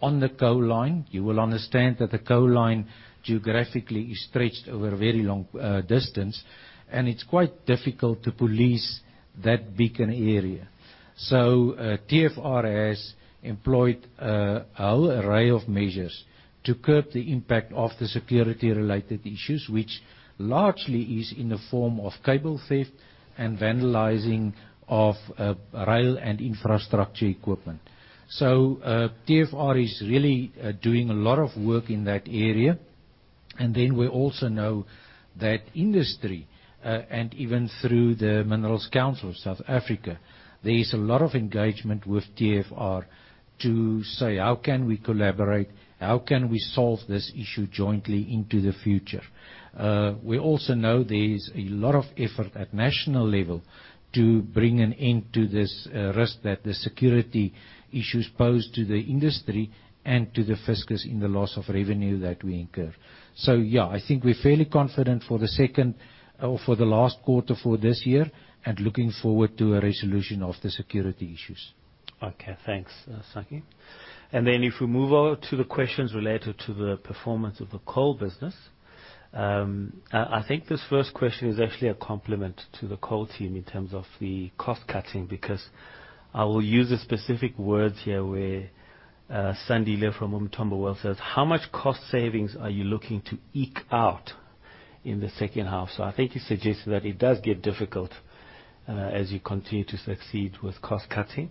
on the coal line. You will understand that the coal line geographically is stretched over a very long distance, and it's quite difficult to police that beacon area. TFR has employed a whole array of measures to curb the impact of the security-related issues, which largely is in the form of cable theft and vandalizing of rail and infrastructure equipment. TFR is really doing a lot of work in that area. We also know that industry, and even through the Minerals Council of South Africa, there is a lot of engagement with TFR to say, "How can we collaborate? How can we solve this issue jointly into the future?" We also know there is a lot of effort at national level to bring an end to this risk that the security issues pose to the industry and to the fiscus in the loss of revenue that we incur. Yeah, I think we're fairly confident for the second or for the last quarter for this year and looking forward to a resolution of the security issues. Okay. Thanks, Sakkie. If we move over to the questions related to the performance of the coal business. I think this first question is actually a compliment to the coal team in terms of the cost-cutting, because I will use the specific words here where Sandy Lefer from Umthombo Wealth says, "How much cost savings are you looking to eke out in the second half?" I think you suggested that it does get difficult as you continue to succeed with cost-cutting.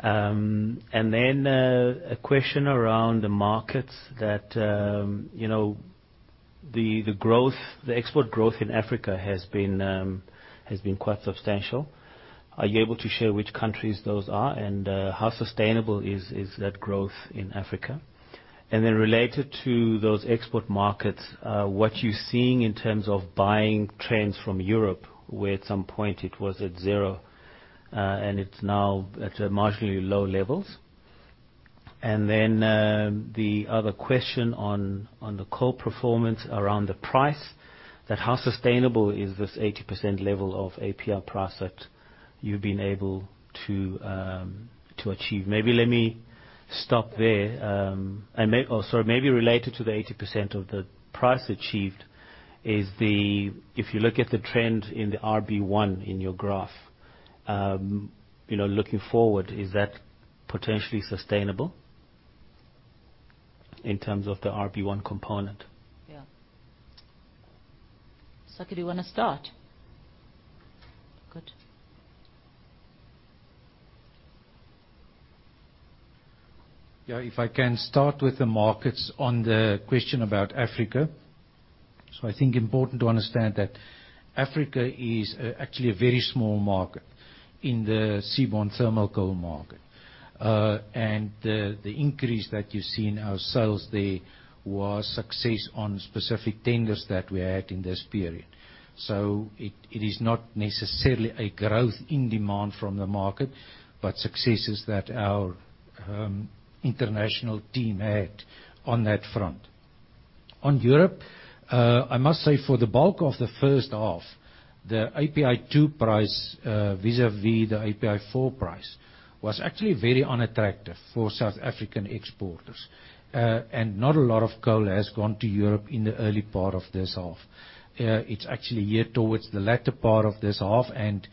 A question around the markets that the export growth in Africa has been quite substantial. Are you able to share which countries those are and how sustainable is that growth in Africa? Related to those export markets, what you're seeing in terms of buying trends from Europe, where at some point it was at zero, and it's now at marginally low levels. The other question on the coal performance around the price, that how sustainable is this 80% level of API price that you've been able to achieve. Maybe let me stop there. Sorry. Maybe related to the 80% of the price achieved is the, if you look at the trend in the RB1 in your graph, looking forward, is that potentially sustainable in terms of the RB1 component? Yeah. Sakkie, do you want to start? Good. Yeah. If I can start with the markets on the question about Africa. I think important to understand that Africa is actually a very small market in the seaborne thermal coal market. The increase that you see in our sales there was success on specific tenders that we had in this period. It is not necessarily a growth in demand from the market, but successes that our international team had on that front. On Europe, I must say for the bulk of the first half, the API2 price vis-à-vis the API4 price was actually very unattractive for South African exporters. Not a lot of coal has gone to Europe in the early part of this half. It's actually here towards the latter part of this half and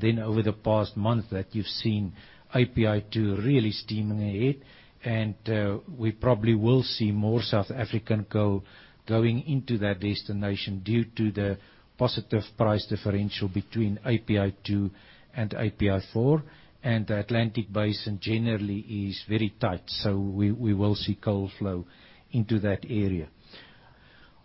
then over the past month that you've seen API2 really steaming ahead. We probably will see more South African coal going into that destination due to the positive price differential between API2 and API4. The Atlantic Basin generally is very tight, so we will see coal flow into that area.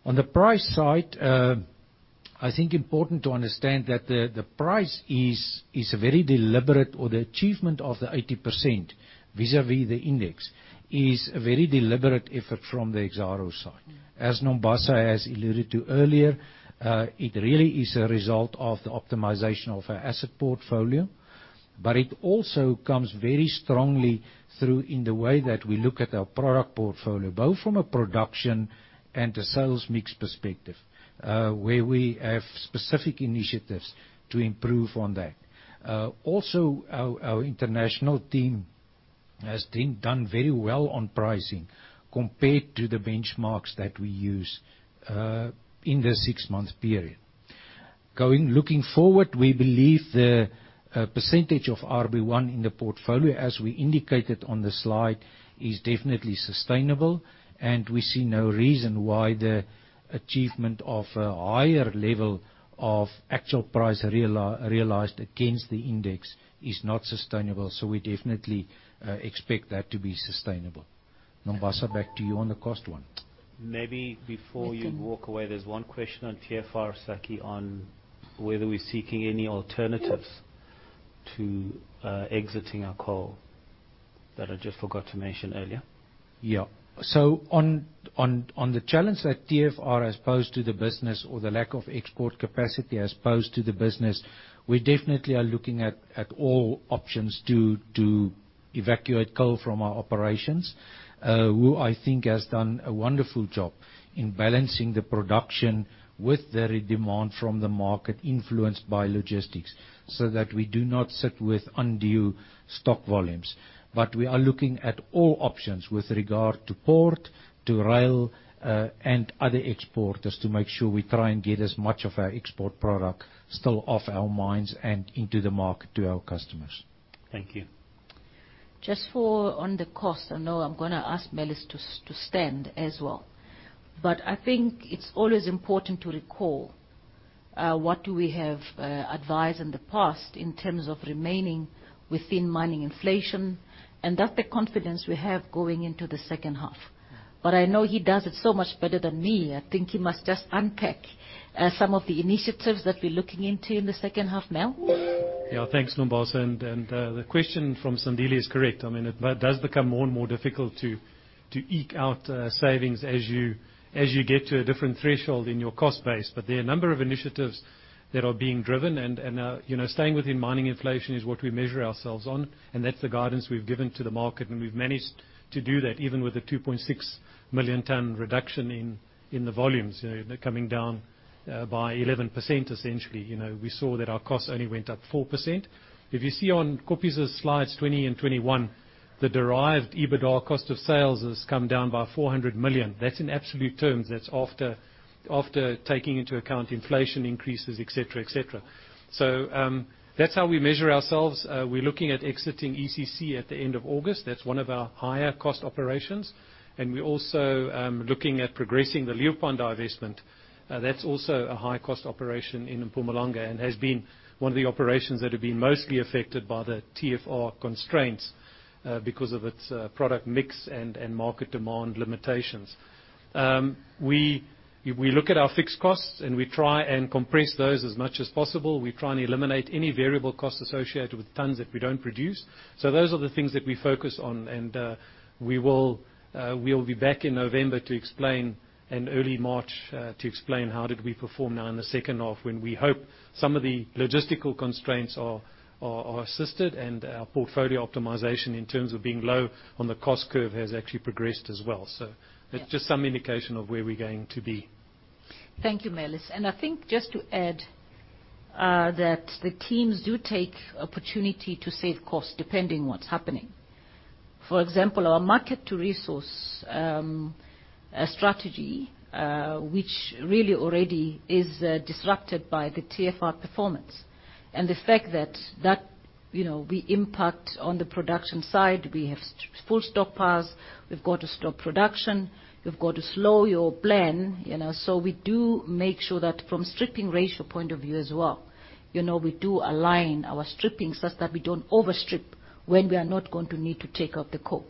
On the price side, I think important to understand that the price is very deliberate, or the achievement of the 80% vis-à-vis the index is a very deliberate effort from the Exxaro side. As Nombasa has alluded to earlier, it really is a result of the optimization of our asset portfolio, but it also comes very strongly through in the way that we look at our product portfolio, both from a production and a sales mix perspective, where we have specific initiatives to improve on that. Our international team has done very well on pricing compared to the benchmarks that we use in the six-month period. Looking forward, we believe the percentage of RB1 in the portfolio, as we indicated on the slide, is definitely sustainable, and we see no reason why the achievement of a higher level of actual price realized against the index is not sustainable. We definitely expect that to be sustainable. Nombasa, back to you on the cost 1. Maybe before you walk away, there's one question on TFR, Sakkie, on whether we're seeking any alternatives to exiting our coal that I just forgot to mention earlier. Yeah. On the challenge that TFR as opposed to the business or the lack of export capacity as opposed to the business, we definitely are looking at all options to evacuate coal from our operations. Who I think has done a wonderful job in balancing the production with the demand from the market influenced by logistics, so that we do not sit with undue stock volumes. We are looking at all options with regard to port, to rail, and other exporters to make sure we try and get as much of our export product still off our mines and into the market to our customers. Thank you. Just for on the cost, I know I'm going to ask Melis to stand as well. I think it's always important to recall what do we have advised in the past in terms of remaining within mining inflation, and that's the confidence we have going into the second half. I know he does it so much better than me. I think he must just unpack some of the initiatives that we're looking into in the second half, Mel. Thanks, Nombasa. The question from Sandile is correct. It does become more and more difficult to eke out savings as you get to a different threshold in your cost base. There are a number of initiatives that are being driven, and staying within mining inflation is what we measure ourselves on, and that's the guidance we've given to the market. We've managed to do that even with the 2.6-million-ton reduction in the volumes. They're coming down by 11% essentially. We saw that our costs only went up 4%. If you see on Kobus's Slide 20 and Slide 21, the derived EBITDA cost of sales has come down by 400 million. That's in absolute terms. That's after taking into account inflation increases, et cetera. That's how we measure ourselves. We're looking at exiting ECC at the end of August. That's one of our higher cost operations. We're also looking at progressing the Leeuwpan divestment. That's also a high-cost operation in Mpumalanga and has been one of the operations that have been mostly affected by the TFR constraints because of its product mix and market demand limitations. We look at our fixed costs, and we try and compress those as much as possible. We try and eliminate any variable costs associated with tons that we don't produce. Those are the things that we focus on. We'll be back in November to explain, and early March, to explain how did we perform now in the second half when we hope some of the logistical constraints are assisted and our portfolio optimization in terms of being low on the cost curve has actually progressed as well. That's just some indication of where we're going to be. Thank you, Melis. I think just to add that the teams do take opportunity to save costs depending what's happening. For example, our market to resource strategy, which really already is disrupted by the TFR performance and the fact that we impact on the production side. We have full stock piles. We've got to stop production. You've got to slow your plan. We do make sure that from stripping ratio point of view as well, we do align our stripping such that we don't over strip when we are not going to need to take out the coal.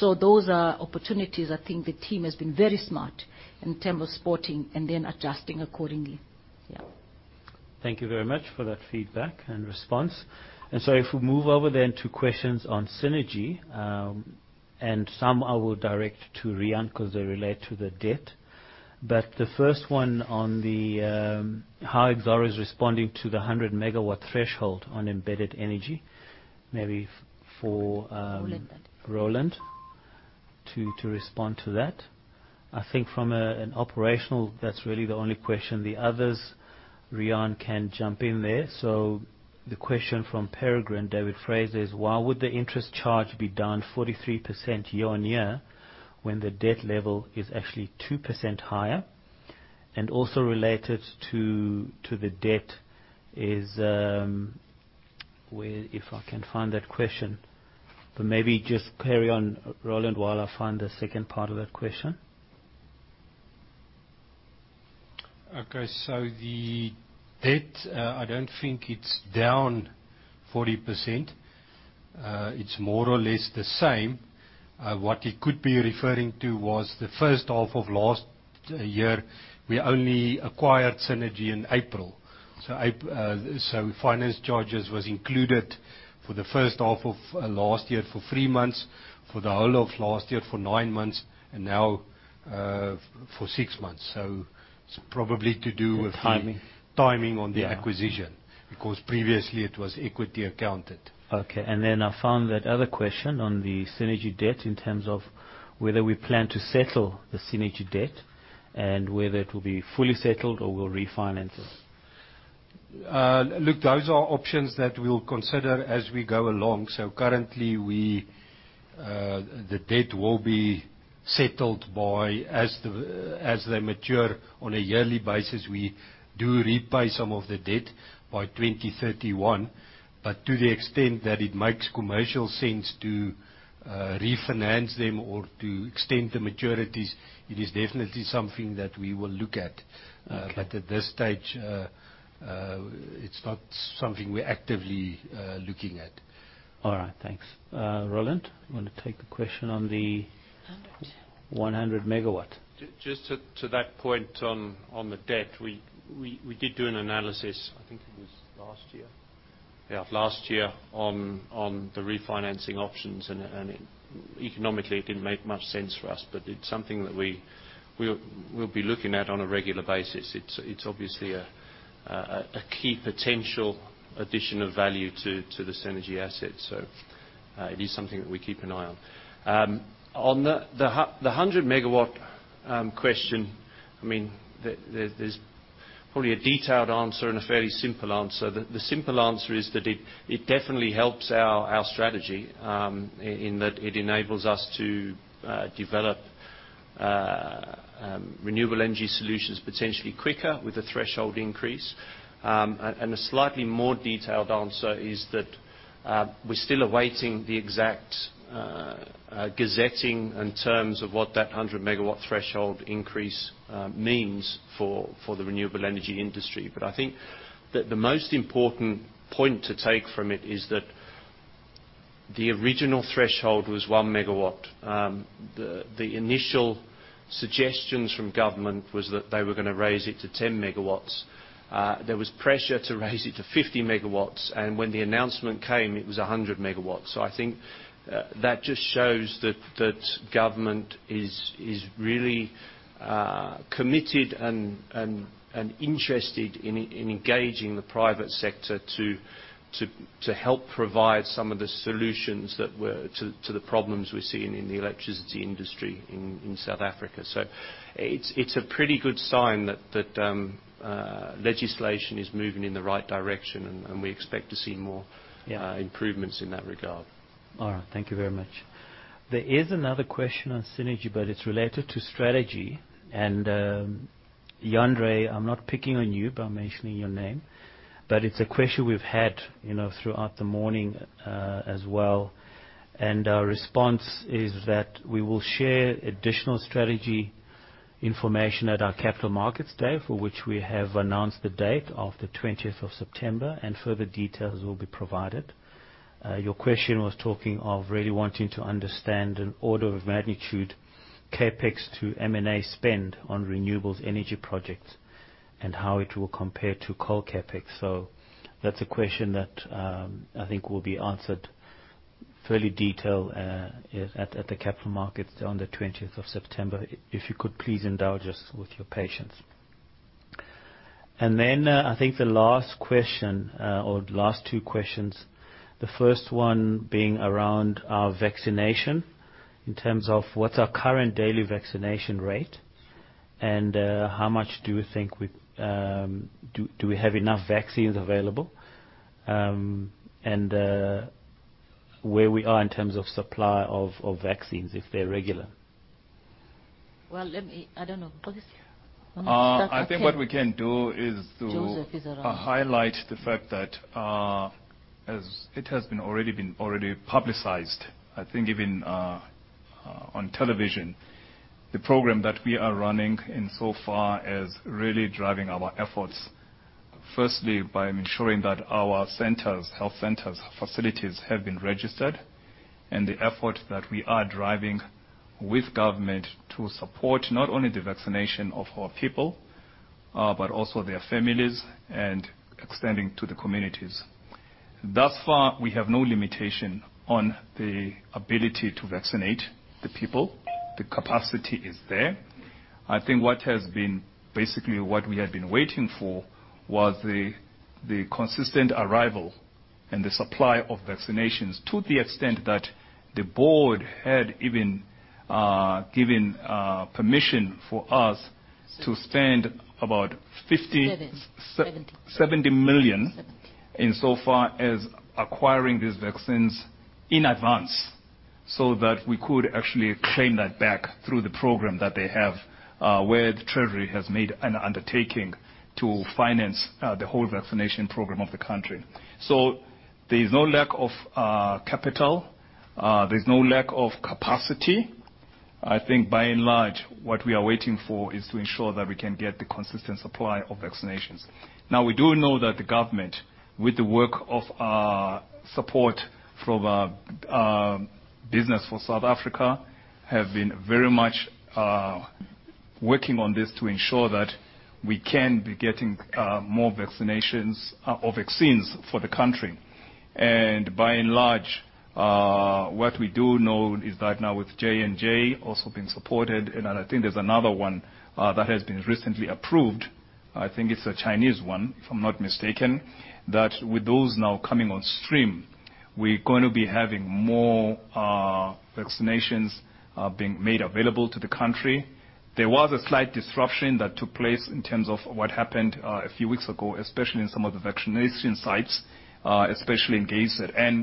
Those are opportunities I think the team has been very smart in terms of spotting and then adjusting accordingly. Yeah. Thank you very much for that feedback and response. If we move over then to questions on Cennergi, and some I will direct to Riaan because they relate to the debt. The first one on how Exxaro is responding to the 100-megawatt threshold on embedded energy. Roland then. Roland to respond to that. I think from an operational, that's really the only question. The others, Riaan can jump in there. The question from Peregrine, David Fraser, is why would the interest charge be down 43% year-on-year when the debt level is actually 2% higher? Also related to the debt is, well, if I can find that question. Maybe just carry on, Roland, while I find the second part of that question. The debt, I don't think it's down 40%. It's more or less the same. What he could be referring to was the first half of last year, we only acquired Cennergi in April. Finance charges was included for the first half of last year for three months, for the whole of last year for nine months, and now for six months. Timing timing on the acquisition, because previously it was equity accounted. Okay. I found that other question on the Cennergi debt in terms of whether we plan to settle the Cennergi debt and whether it will be fully settled or we'll refinance it. Look, those are options that we'll consider as we go along. currently, the debt will be Settled by as they mature on a yearly basis. We do repay some of the debt by 2031, but to the extent that it makes commercial sense to refinance them or to extend the maturities, it is definitely something that we will look at. Okay. At this stage, it's not something we're actively looking at. All right. Thanks. Roland, you want to take a question? 100 100 MW? Just to that point on the debt, we did do an analysis, I think it was last year. Yeah, of last year on the refinancing options, and economically it didn't make much sense for us, but it's something that we'll be looking at on a regular basis. It's obviously a key potential addition of value to this energy asset. It is something that we keep an eye on. On the 100-MW question, there's probably a detailed answer and a fairly simple answer. The simple answer is that it definitely helps our strategy, in that it enables us to develop renewable energy solutions potentially quicker with the threshold increase. A slightly more detailed answer is that we're still awaiting the exact gazetting in terms of what that 100-MW threshold increase means for the renewable energy industry. I think that the most important point to take from it is that the original threshold was one megawatt. The initial suggestions from government was that they were going to raise it to 10 MW. There was pressure to raise it to 50 MW, and when the announcement came, it was 100 megawatts. I think that just shows that government is really committed and interested in engaging the private sector to help provide some of the solutions to the problems we're seeing in the electricity industry in South Africa. It's a pretty good sign that legislation is moving in the right direction. Yeah improvements in that regard. All right. Thank you very much. There is another question on Cennergi. It's related to strategy. Jandré, I'm not picking on you by mentioning your name. It's a question we've had throughout the morning as well. Our response is that we will share additional strategy information at our capital markets day, for which we have announced the date of the 20th of September, and further details will be provided. Your question was talking of really wanting to understand an order of magnitude CapEx to M&A spend on renewables energy projects, and how it will compare to coal CapEx. That's a question that I think will be answered fairly detailed at the capital markets on the 20th of September. If you could please indulge us with your patience. I think the last question, or last two questions, the first one being around our vaccination in terms of what's our current daily vaccination rate, and how much do we think we have enough vaccines available? Where we are in terms of supply of vaccines, if they're regular? Well, let me I don't know. Joseph. I think what we can do is. Joseph is around. highlight the fact that, as it has been already publicized, I think even on television, the program that we are running in so far is really driving our efforts, firstly, by ensuring that our health centers, facilities have been registered, and the effort that we are driving with government to support not only the vaccination of our people, but also their families and extending to the communities. Thus far, we have no limitation on the ability to vaccinate the people. The capacity is there. I think what has been basically what we had been waiting for was the consistent arrival and the supply of vaccinations to the extent that the board had even given permission for us to spend about 50- 70 70 million insofar as acquiring these vaccines in advance so that we could actually claim that back through the program that they have, where the Treasury has made an undertaking to finance the whole vaccination program of the country. There's no lack of capital, there's no lack of capacity. I think by and large, what we are waiting for is to ensure that we can get the consistent supply of vaccinations. We do know that the government, with the work of support from Business for South Africa, have been very much working on this to ensure that we can be getting more vaccinations or vaccines for the country. By and large, what we do know is that now with J&J also being supported, and I think there's another one that has been recently approved, I think it's a Chinese one, if I'm not mistaken, that with those now coming on stream. We're going to be having more vaccinations being made available to the country. There was a slight disruption that took place in terms of what happened a few weeks ago, especially in some of the vaccination sites, especially in Cape Town.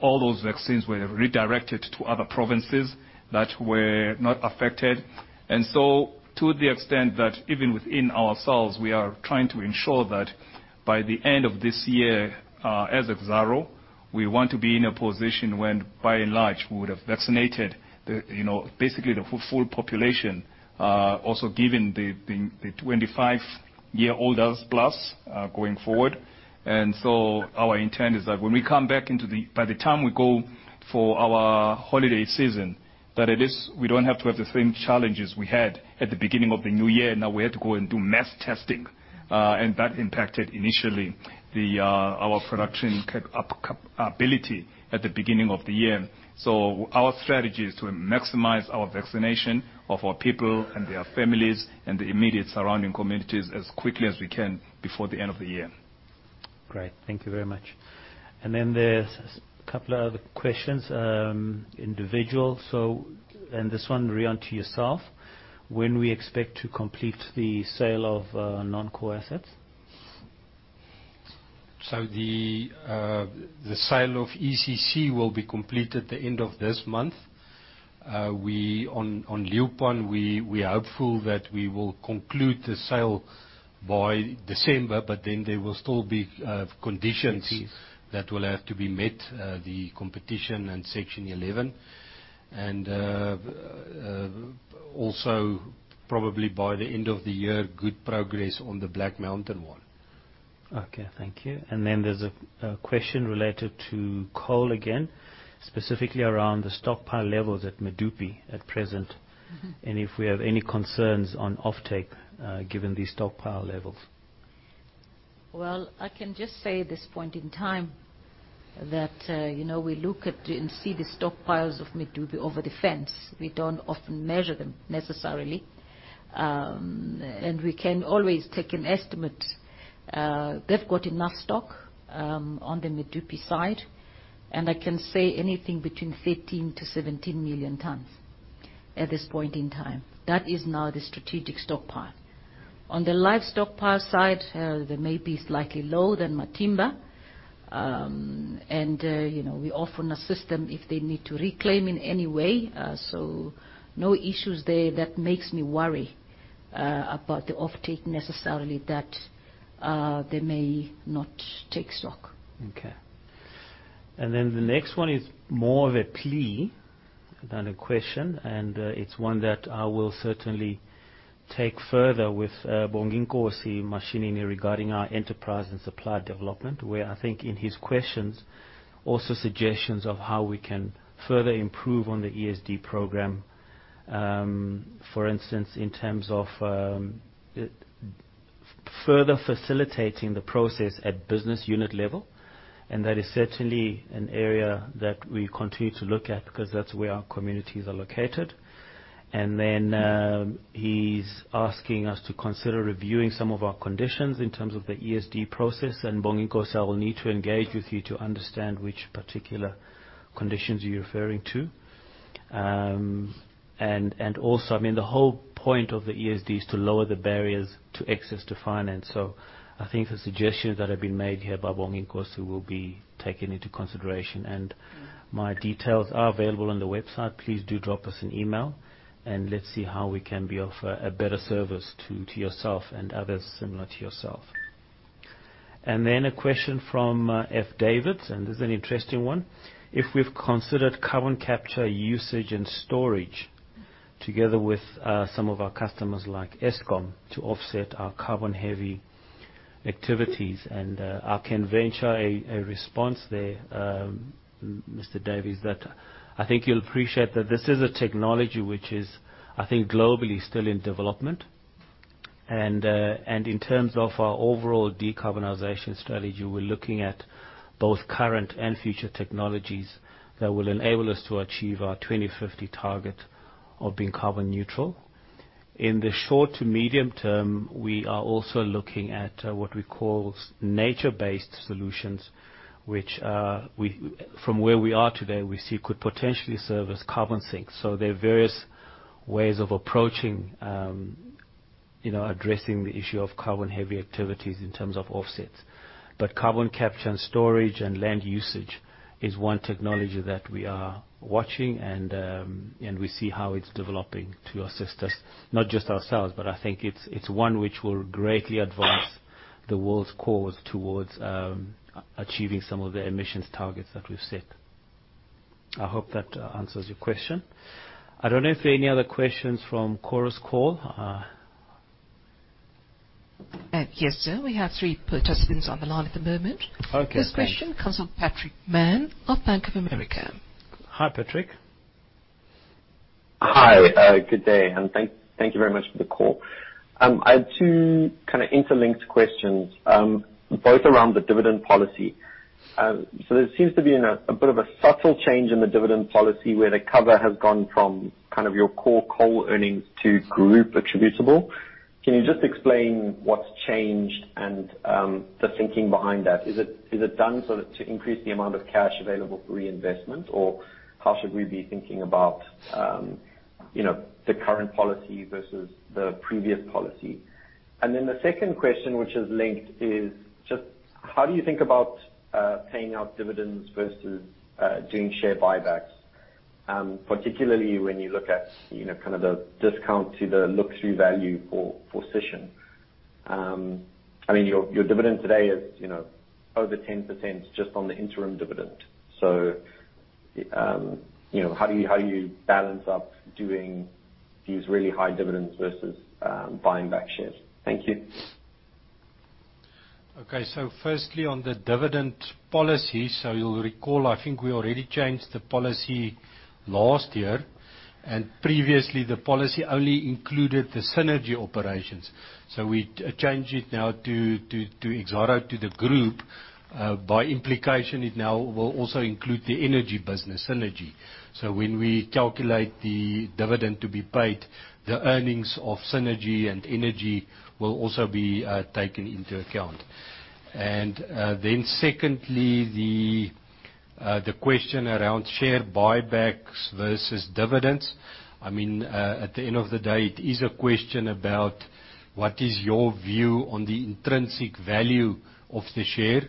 All those vaccines were redirected to other provinces that were not affected. To the extent that even within ourselves, we are trying to ensure that by the end of this year, as Exxaro, we want to be in a position when by and large, we would have vaccinated basically the full population, also given the 25-year-olders plus, going forward. Our intent is that by the time we go for our holiday season, that we don't have to have the same challenges we had at the beginning of the new year. We had to go and do mass testing, and that impacted initially our production capability at the beginning of the year. Our strategy is to maximize our vaccination of our people and their families, and the immediate surrounding communities as quickly as we can before the end of the year. Great. Thank you very much. There's a couple other questions, individual. This one, Riaan, to yourself. When we expect to complete the sale of non-core assets? The sale of ECC will be complete at the end of this month. On Leeuwpan, we are hopeful that we will conclude the sale by December. There will still be conditions that will have to be met, the competition and Section 11. Also probably by the end of the year, good progress on the Black Mountain one. Okay. Thank you. There's a question related to coal again, specifically around the stockpile levels at Medupi at present, and if we have any concerns on offtake, given these stockpile levels. Well, I can just say at this point in time that we look at and see the stockpiles of Medupi over the fence. We don't often measure them necessarily. We can always take an estimate. They've got enough stock on the Medupi side; I can say anything between 13 to 17 million tons at this point in time. That is now the strategic stockpile. On the live stockpile side, they may be slightly lower than Matimba. We often assist them if they need to reclaim in any way. No issues there that makes me worry about the offtake necessarily that they may not take stock. Okay. The next one is more of a plea than a question, and it's one that I will certainly take further with Bonginkosi Mashinini regarding our enterprise and supply development, where I think in his questions also suggestions of how we can further improve on the ESD program. For instance, in terms of further facilitating the process at business unit level, that is certainly an area that we continue to look at because that's where our communities are located. He's asking us to consider reviewing some of our conditions in terms of the ESD process. Bonginkosi, I will need to engage with you to understand which particular conditions you're referring to. Also, I mean, the whole point of the ESD is to lower the barriers to access to finance. I think the suggestions that have been made here by Bonginkosi will be taken into consideration, and my details are available on the website. Please do drop us an email and let's see how we can be of a better service to yourself and others similar to yourself. A question from F. Davis, and this is an interesting one. If we've considered carbon capture usage and storage together with some of our customers like Eskom to offset our carbon-heavy activities. I can venture a response there, Mr. Davis, that I think you'll appreciate that this is a technology which is, I think, globally still in development. In terms of our overall decarbonization strategy, we're looking at both current and future technologies that will enable us to achieve our 2050 target of being carbon neutral. In the short to medium term, we are also looking at what we call nature-based solutions, which from where we are today, we see could potentially serve as carbon sinks. There are various ways of approaching addressing the issue of carbon-heavy activities in terms of offsets. Carbon capture and storage and land usage is one technology that we are watching and we see how it's developing to assist us, not just ourselves, but I think it's one which will greatly advance the world's cause towards achieving some of the emissions targets that we've set. I hope that answers your question. I don't know if there are any other questions from Chorus Call. Yes, sir. We have three participants on the line at the moment. Okay. This question comes from Patrick Mann of Bank of America. Hi, Patrick. Hi. Good day, and thank you very much for the call. I had two kind of interlinked questions, both around the dividend policy. There seems to be a bit of a subtle change in the dividend policy where the cover has gone from kind of your core coal earnings to group attributable. Can you just explain what's changed and the thinking behind that? Is it done to increase the amount of cash available for reinvestment, or how should we be thinking about the current policy versus the previous policy? The second question, which is linked, is just how do you think about paying out dividends versus doing share buybacks, particularly when you look at the discount to the look-through value for Sishen. Your dividend today is over 10% just on the interim dividend. How do you balance up doing these really high dividends versus buying back shares? Thank you. Firstly, on the dividend policy. You'll recall, I think we already changed the policy last year, and previously the policy only included the Cennergi operations. We changed it now to Exxaro to the group. By implication, it now will also include the energy business Cennergi. When we calculate the dividend to be paid, the earnings of Cennergi and energy will also be taken into account. Secondly, the question around share buybacks versus dividends. At the end of the day, it is a question about what is your view on the intrinsic value of the share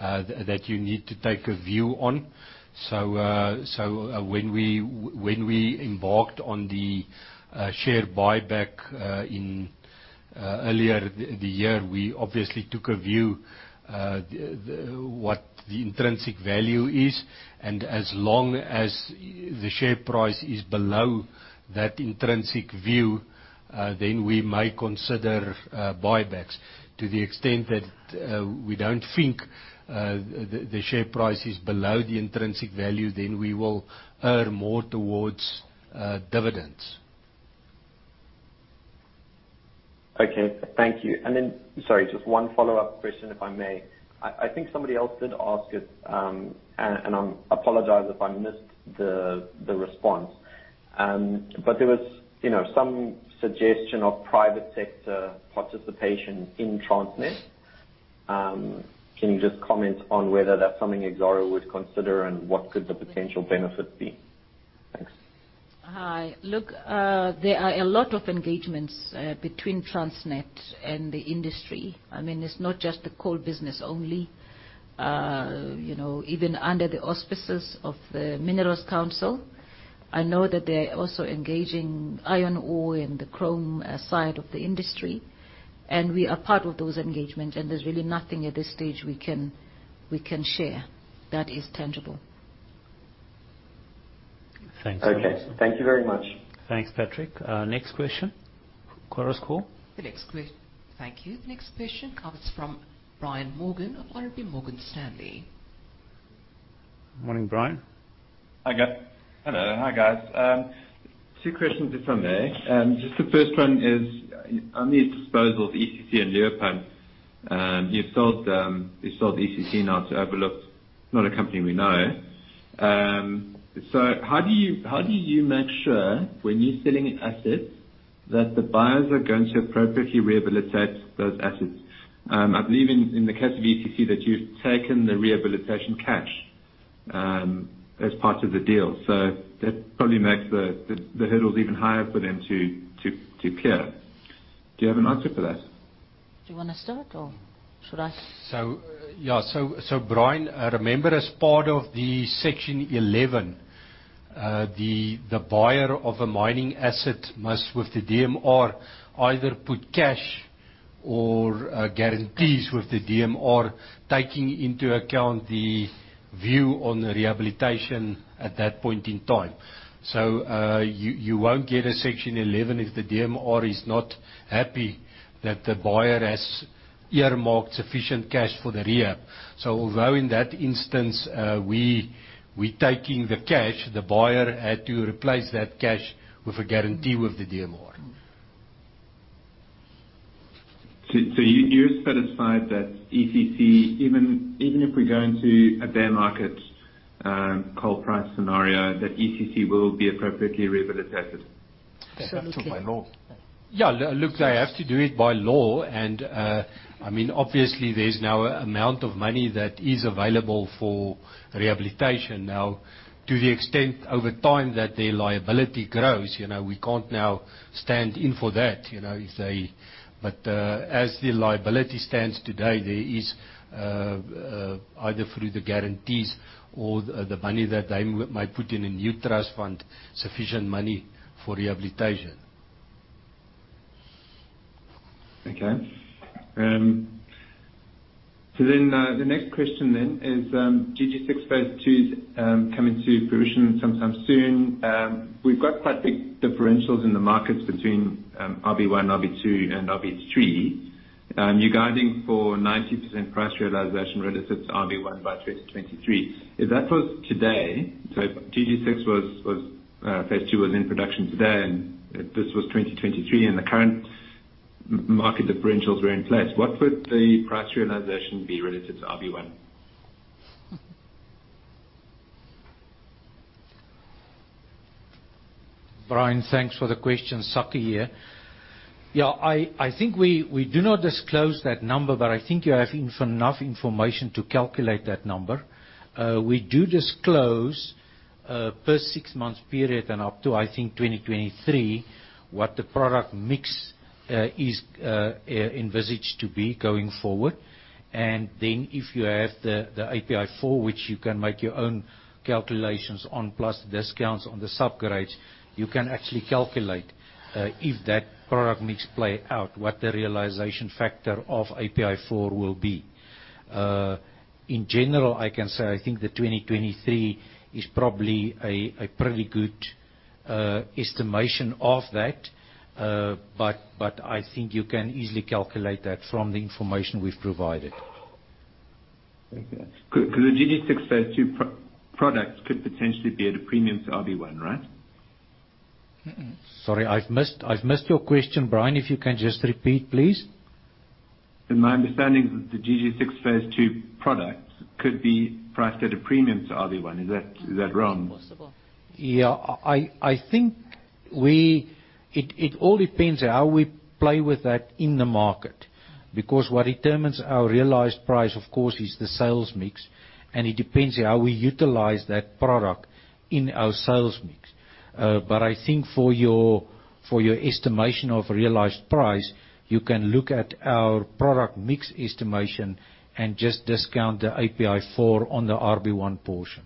that you need to take a view on. When we embarked on the share buyback earlier in the year, we obviously took a view what the intrinsic value is, and as long as the share price is below that intrinsic view, then we may consider buybacks. To the extent that we don't think the share price is below the intrinsic value, then we will err more towards dividends. Okay. Thank you. Sorry, just one follow-up question, if I may. I think somebody else did ask it, and I apologize if I missed the response. There was some suggestion of private sector participation in Transnet. Can you just comment on whether that's something Exxaro would consider, and what could the potential benefits be? Thanks. Hi. Look, there are a lot of engagements between Transnet and the industry. It's not just the coal business only. Even under the auspices of the Minerals Council, I know that they're also engaging iron ore and the chrome side of the industry, and we are part of those engagements, and there's really nothing at this stage we can share that is tangible. Thanks. Okay. Thank you very much. Thanks, Patrick. Next question. Operator. Thank you. The next question comes from Brian Morgan of RMB Morgan Stanley. Morning, Brian. Hello. Hi, guys. Two questions, if I may. The first one is on the disposal of ECC and Leeuwpan. You've sold ECC now to Overlook, not a company we know. How do you make sure when you're selling assets that the buyers are going to appropriately rehabilitate those assets? I believe in the case of ECC that you've taken the rehabilitation cash as part of the deal. That probably makes the hurdles even higher for them to clear. Do you have an answer for that? Do you want to start or should I- Brian, remember as part of the Section 11, the buyer of a mining asset must, with the DMR, either put cash or guarantees with the DMR, taking into account the view on rehabilitation at that point in time. You won't get a Section 11 if the DMR is not happy that the buyer has earmarked sufficient cash for the rehab. Although in that instance we're taking the cash, the buyer had to replace that cash with a guarantee with the DMR. You're satisfied that ECC, even if we go into a bear market coal price scenario, that ECC will be appropriately rehabilitated. Absolutely. They have to by law. Yeah, look, they have to do it by law, obviously there's now an amount of money that is available for rehabilitation now. To the extent over time that their liability grows, we can't now stand in for that. As the liability stands today, there is, either through the guarantees or the money that they might put in a new trust fund, sufficient money for rehabilitation. The next question then is GG6 phase II's coming to fruition sometime soon. We've got quite big differentials in the markets between RB1, RB2, and RB3. You're guiding for 90% price realization relative to RB1 by 2023. If that was today, GG6 phase II was in production today and this was 2023 and the current market differentials were in place, what would the price realization be relative to RB1? Brian, thanks for the question. Sakkie here. Yeah, I think we do not disclose that number, but I think you have enough information to calculate that number. We do disclose per six months period and up to, I think, 2023, what the product mix is envisaged to be going forward. If you have the API4, which you can make your own calculations on, plus discounts on the subgrades, you can actually calculate if that product mix play out, what the realization factor of API4 will be. In general, I can say I think the 2023 is probably a pretty good estimation of that. I think you can easily calculate that from the information we've provided. Thank you. Because the GG6 phase two products could potentially be at a premium to RB1, right? Sorry, I've missed your question, Brian. If you can just repeat, please. In my understanding, the GG6 phase II products could be priced at a premium to RB1. Is that wrong? Possible. Yeah. I think it all depends how we play with that in the market. Because what determines our realized price, of course, is the sales mix, and it depends how we utilize that product in our sales mix. I think for your estimation of realized price, you can look at our product mix estimation and just discount the API4 on the RB1 portion.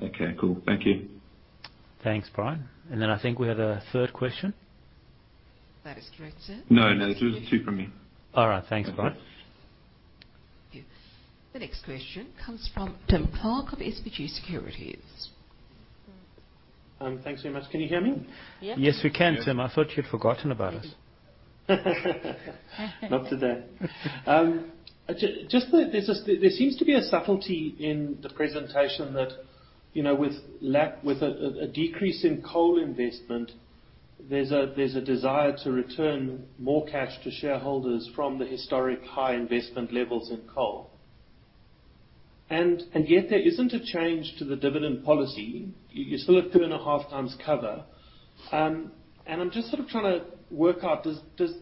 Okay, cool. Thank you. Thanks, Brian. I think we have a third question. That is correct, sir. No, just two from me. All right. Thanks, Brian. The next question comes from Tim Clark of SBG Securities. Thanks very much. Can you hear me? Yes, we can, Tim. I thought you'd forgotten about us. Not today. There seems to be a subtlety in the presentation that with a decrease in coal investment, there's a desire to return more cash to shareholders from the historic high investment levels in coal. Yet there isn't a change to the dividend policy. You still have 2.5 times cover. I'm just sort of trying to work out,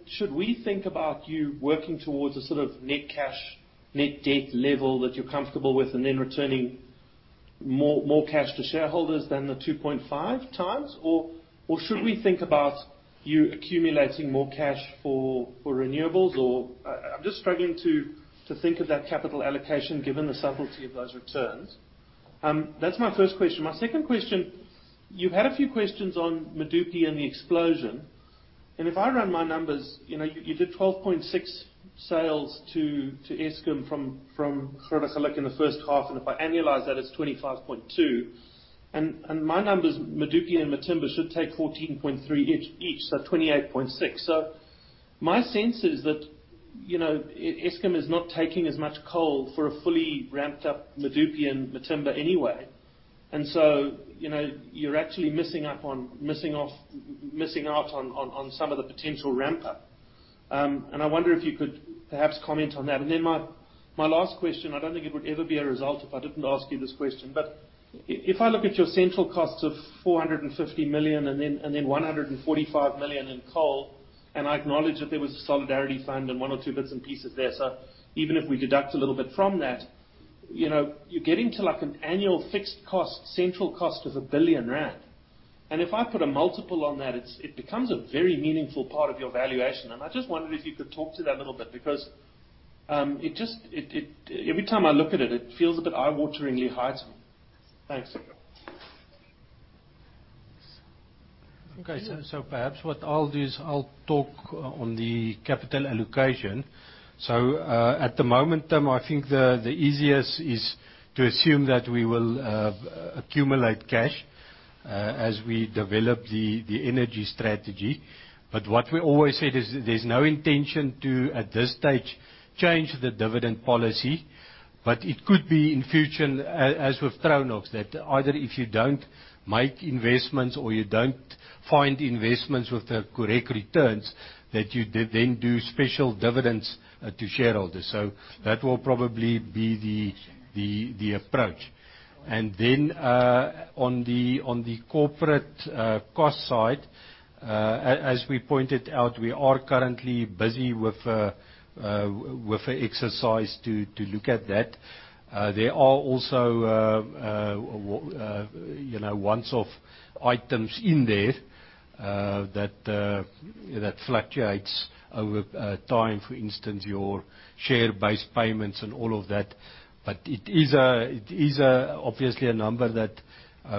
should we think about you working towards a sort of net cash, net debt level that you're comfortable with and then returning more cash to shareholders than the 2.5 times? Or should we think about you accumulating more cash for renewables? I'm just struggling to think of that capital allocation given the subtlety of those returns. That's my first question. My second question, you've had a few questions on Medupi and the explosion. If I run my numbers, you did 12.6 sales to Eskom from Grootegeluk in the first half. If I annualize that, it's 25.2. My numbers, Medupi and Matimba should take 14.3 each, so 28.6. My sense is that Eskom is not taking as much coal for a fully ramped up Medupi and Matimba anyway. You're actually missing out on some of the potential ramp up. I wonder if you could perhaps comment on that. My last question, I don't think it would ever be a result if I didn't ask you this question. If I look at your central costs of 450 million, then 145 million in coal. I acknowledge that there was a Solidarity Fund and one or two bits and pieces there. Even if we deduct a little bit from that, you're getting to an annual fixed cost, central cost of 1 billion rand. If I put a multiple on that, it becomes a very meaningful part of your valuation. I just wondered if you could talk to that a little bit, because every time I look at it feels a bit eye-wateringly high to me. Thanks. Perhaps what I'll do is I'll talk on the capital allocation. At the moment, Tim, I think the easiest is to assume that we will accumulate cash as we develop the energy strategy. What we always said is there's no intention to, at this stage, change the dividend policy. It could be in future, as with Tronox, that either if you don't make investments or you don't find investments with the correct returns, that you then do special dividends to shareholders. That will probably be the approach. Then on the corporate cost side, as we pointed out, we are currently busy with an exercise to look at that. There are also once-off items in there that fluctuates over time, for instance, your share-based payments and all of that. It is obviously a number that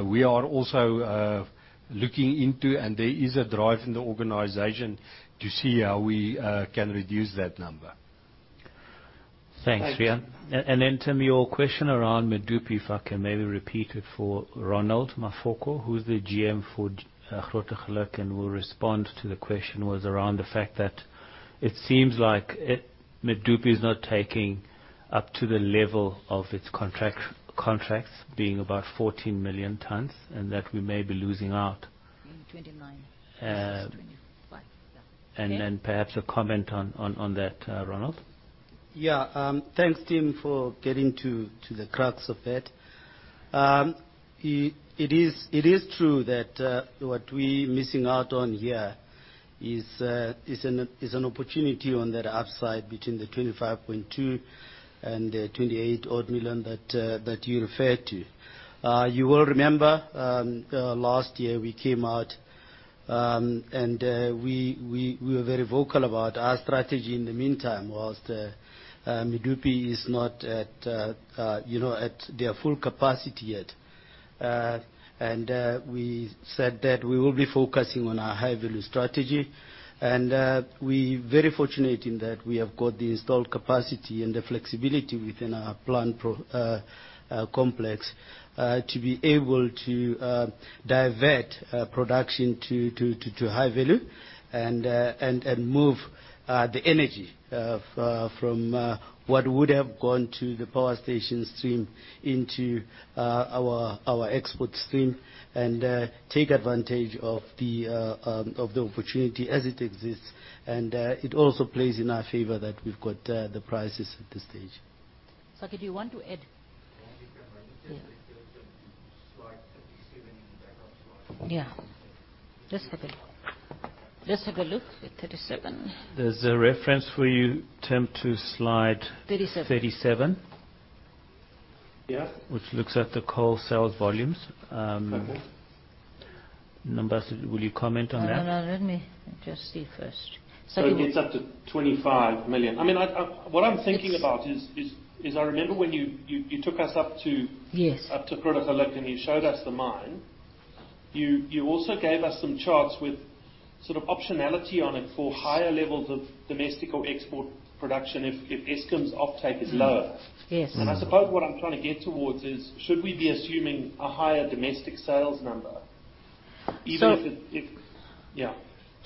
we are also looking into, and there is a drive in the organization to see how we can reduce that number. Thanks, Riaan. Tim, your question around Medupi, if I can maybe repeat it for Ronald Mafoko, who's the GM for Grootegeluk and will respond to the question, was around the fact that it seems like Medupi is not taking up to the level of its contracts being about 14 million tons, and that we may be losing out. In 2029 versus 2025. Then perhaps a comment on that, Ronald. Yeah. Thanks, Tim, for getting to the crux of it. It is true that what we're missing out on here is an opportunity on that upside between the 25.2 and 28 odd million that you refer to. You will remember, last year we came out, we were very vocal about our strategy in the meantime, whilst Medupi is not at their full capacity yet. We said that we will be focusing on our high-value strategy. We're very fortunate in that we have got the installed capacity and the flexibility within our plant complex to be able to divert production to high value and move the energy from what would have gone to the power station stream into our export stream and take advantage of the opportunity as it exists. It also plays in our favor that we've got the prices at this stage. Sakkie, do you want to add? I think I might just refer to Slide 37 in the backup slides. Yeah. Let's have a look at 37. There's a reference for you, Tim, to. 37. 37. Yeah. Which looks at the coal sales volumes. Okay, cool. Number, will you comment on that? No, let me just see first. It gets up to 25 million. What I'm thinking about is, I remember when you took us. Yes up to Koranna and you showed us the mine. You also gave us some charts with sort of optionality on it for higher levels of domestic or export production if Eskom's uptake is lower. Yes. I suppose what I'm trying to get towards is, should we be assuming a higher domestic sales number? So- Yeah.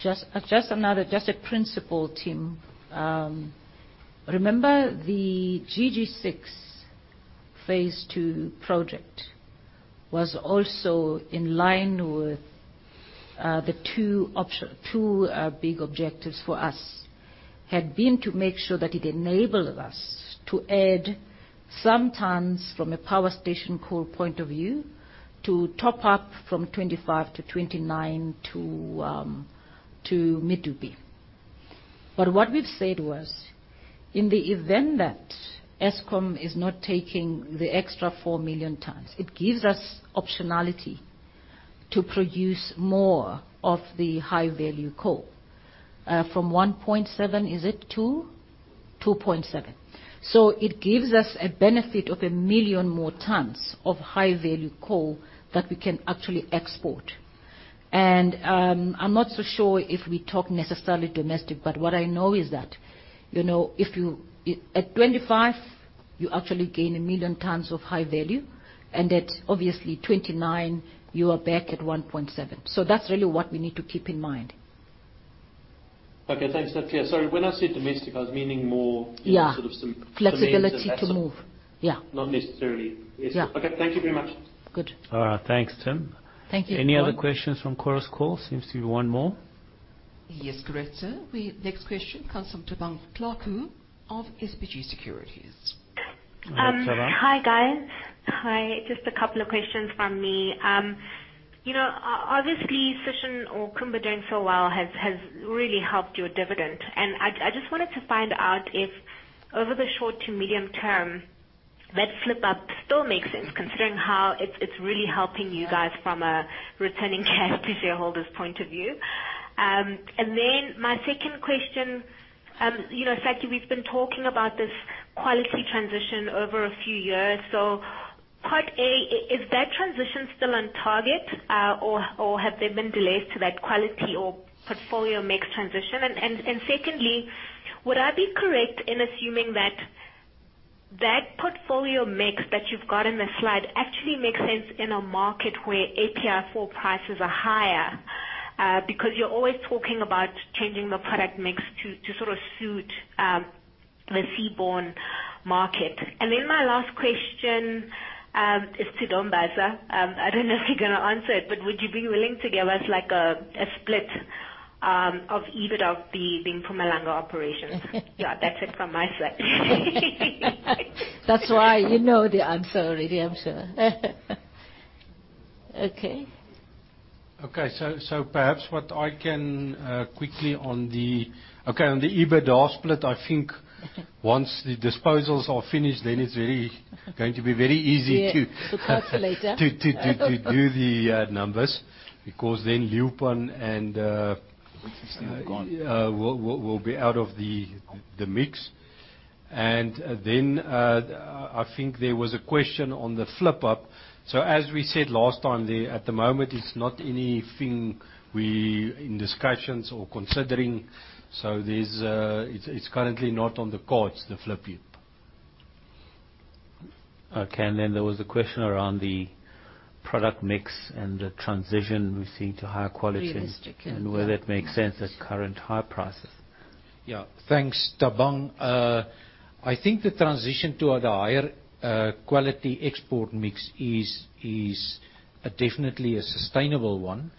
Just a principle, Tim. Remember the GG6 phase two project was also in line with the two big objectives for us, had been to make sure that it enabled us to add some tons from a power station coal point of view to top up from 25 to 29 to Medupi. What we've said was, in the event that Eskom is not taking the extra 4 million tons, it gives us optionality to produce more of the high-value coal. From 1.7, is it 2? 2.7. It gives us a benefit of 1 million more tons of high-value coal that we can actually export. I'm not so sure if we talk necessarily domestic, but what I know is that if you at 25 you actually gain 1 million tons of high value and at obviously 29 you are back at 1.7. That's really what we need to keep in mind. Okay. Thanks. That's clear. Sorry, when I said domestic, I was meaning more. Yeah sort of some means of- Flexibility to move. Yeah. Not necessarily. Yeah. Okay. Thank you very much. Good. All right. Thanks, Tim. Thank you. Any other questions from Chorus Call? Seems to be one more. Yes, correct, sir. The next question comes from Thabang Thlaku of SBG Securities. All right, Thabang. Hi, guys. Hi. Just a couple of questions from me. Obviously, Sishen or Kumba doing so well has really helped your dividend. I just wanted to find out if over the short to medium term, that flip up still makes sense considering how it's really helping you guys from a returning cash to shareholders point of view. My second question, Sakkie, we've been talking about this quality transition over a few years. Part A, is that transition still on target or have there been delays to that quality or portfolio mix transition? Secondly, would I be correct in assuming that that portfolio mix that you've got in the slide actually makes sense in a market where API4 prices are higher? You're always talking about changing the product mix to sort of suit the seaborne market. My last question is to Nombasa. I don't know if you're gonna answer it, but would you be willing to give us a split of EBITDA being from Mpumalanga operations? Yeah, that's it from my side. That's why you know the answer already, I'm sure. Okay. Okay. Perhaps on the EBITDA split, I think once the disposals are finished, then it's going to be very easy. Yeah. To calculate, yeah. To do the numbers, because then Leeuwpan and. Which is now gone. will be out of the mix. I think there was a question on the flip up. As we said last time, at the moment it's not anything we're in discussions or considering. It's currently not on the cards, the flip up. Okay. There was a question around the product mix and the transition we're seeing to higher quality. Realistic, yeah. Whether it makes sense at current high prices. Thanks, Thabang. I think the transition to the higher quality export mix is definitely a sustainable one.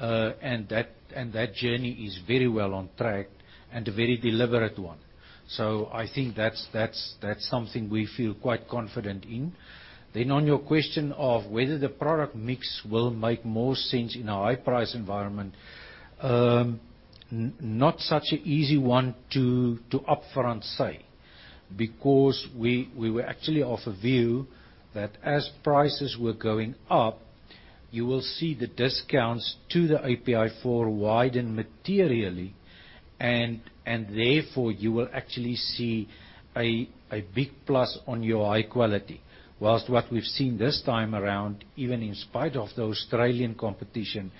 That journey is very well on track and a very deliberate one. I think that's something we feel quite confident in. On your question of whether the product mix will make more sense in a high-price environment, not such an easy one to upfront say, because we were actually of a view that as prices were going up, you will see the discounts to the API4 widen materially, and therefore, you will actually see a big plus on your high quality. Whilst what we've seen this time around, even in spite of the Australian competition,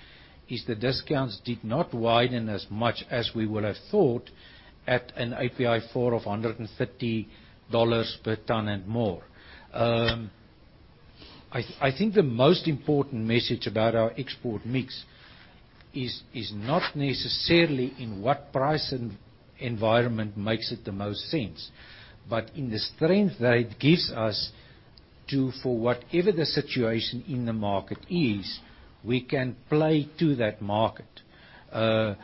is the discounts did not widen as much as we would have thought at an API4 of $150 per ton and more. I think the most important message about our export mix is not necessarily in what price environment makes it the most sense, but in the strength that it gives us to, for whatever the situation in the market is, we can play to that market. That's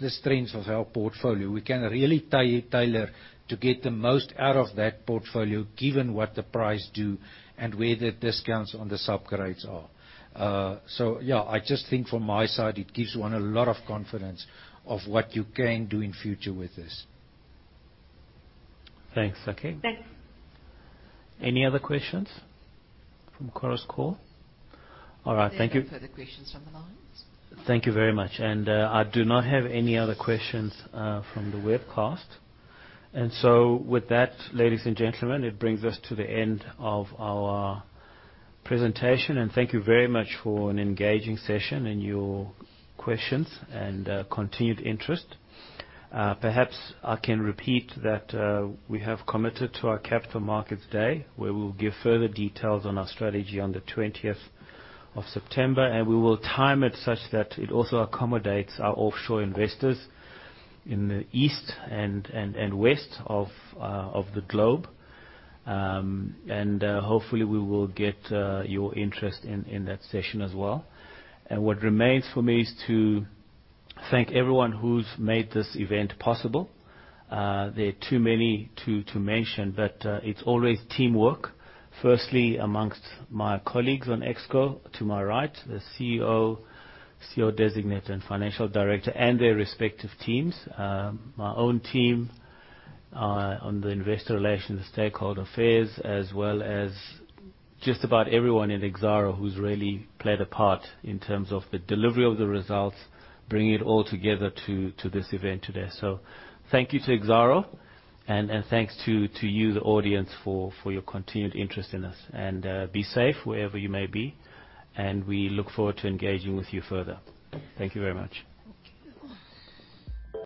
the strength of our portfolio. We can really tailor to get the most out of that portfolio, given what the price do and where the discounts on the subgrades are. Yeah, I just think from my side, it gives one a lot of confidence of what you can do in future with this. Thanks. Sakkie. Thanks. Any other questions from Chorus Call? All right. Thank you. There are no further questions from the lines. Thank you very much. I do not have any other questions from the webcast. With that, ladies and gentlemen, it brings us to the end of our presentation. Thank you very much for an engaging session and your questions and continued interest. Perhaps I can repeat that we have committed to our Capital Markets Day, where we'll give further details on our strategy on the 20th of September. We will time it such that it also accommodates our offshore investors in the east and west of the globe. Hopefully, we will get your interest in that session as well. What remains for me is to thank everyone who's made this event possible. They're too many to mention, but it's always teamwork. Firstly, amongst my colleagues on Exco to my right, the CEO Designate, and Finance Director, and their respective teams. My own team on the investor relations stakeholder affairs, as well as just about everyone in Exxaro who's really played a part in terms of the delivery of the results, bringing it all together to this event today. Thank you to Exxaro, and thanks to you, the audience, for your continued interest in us. Be safe wherever you may be. We look forward to engaging with you further. Thank you very much. Thank you.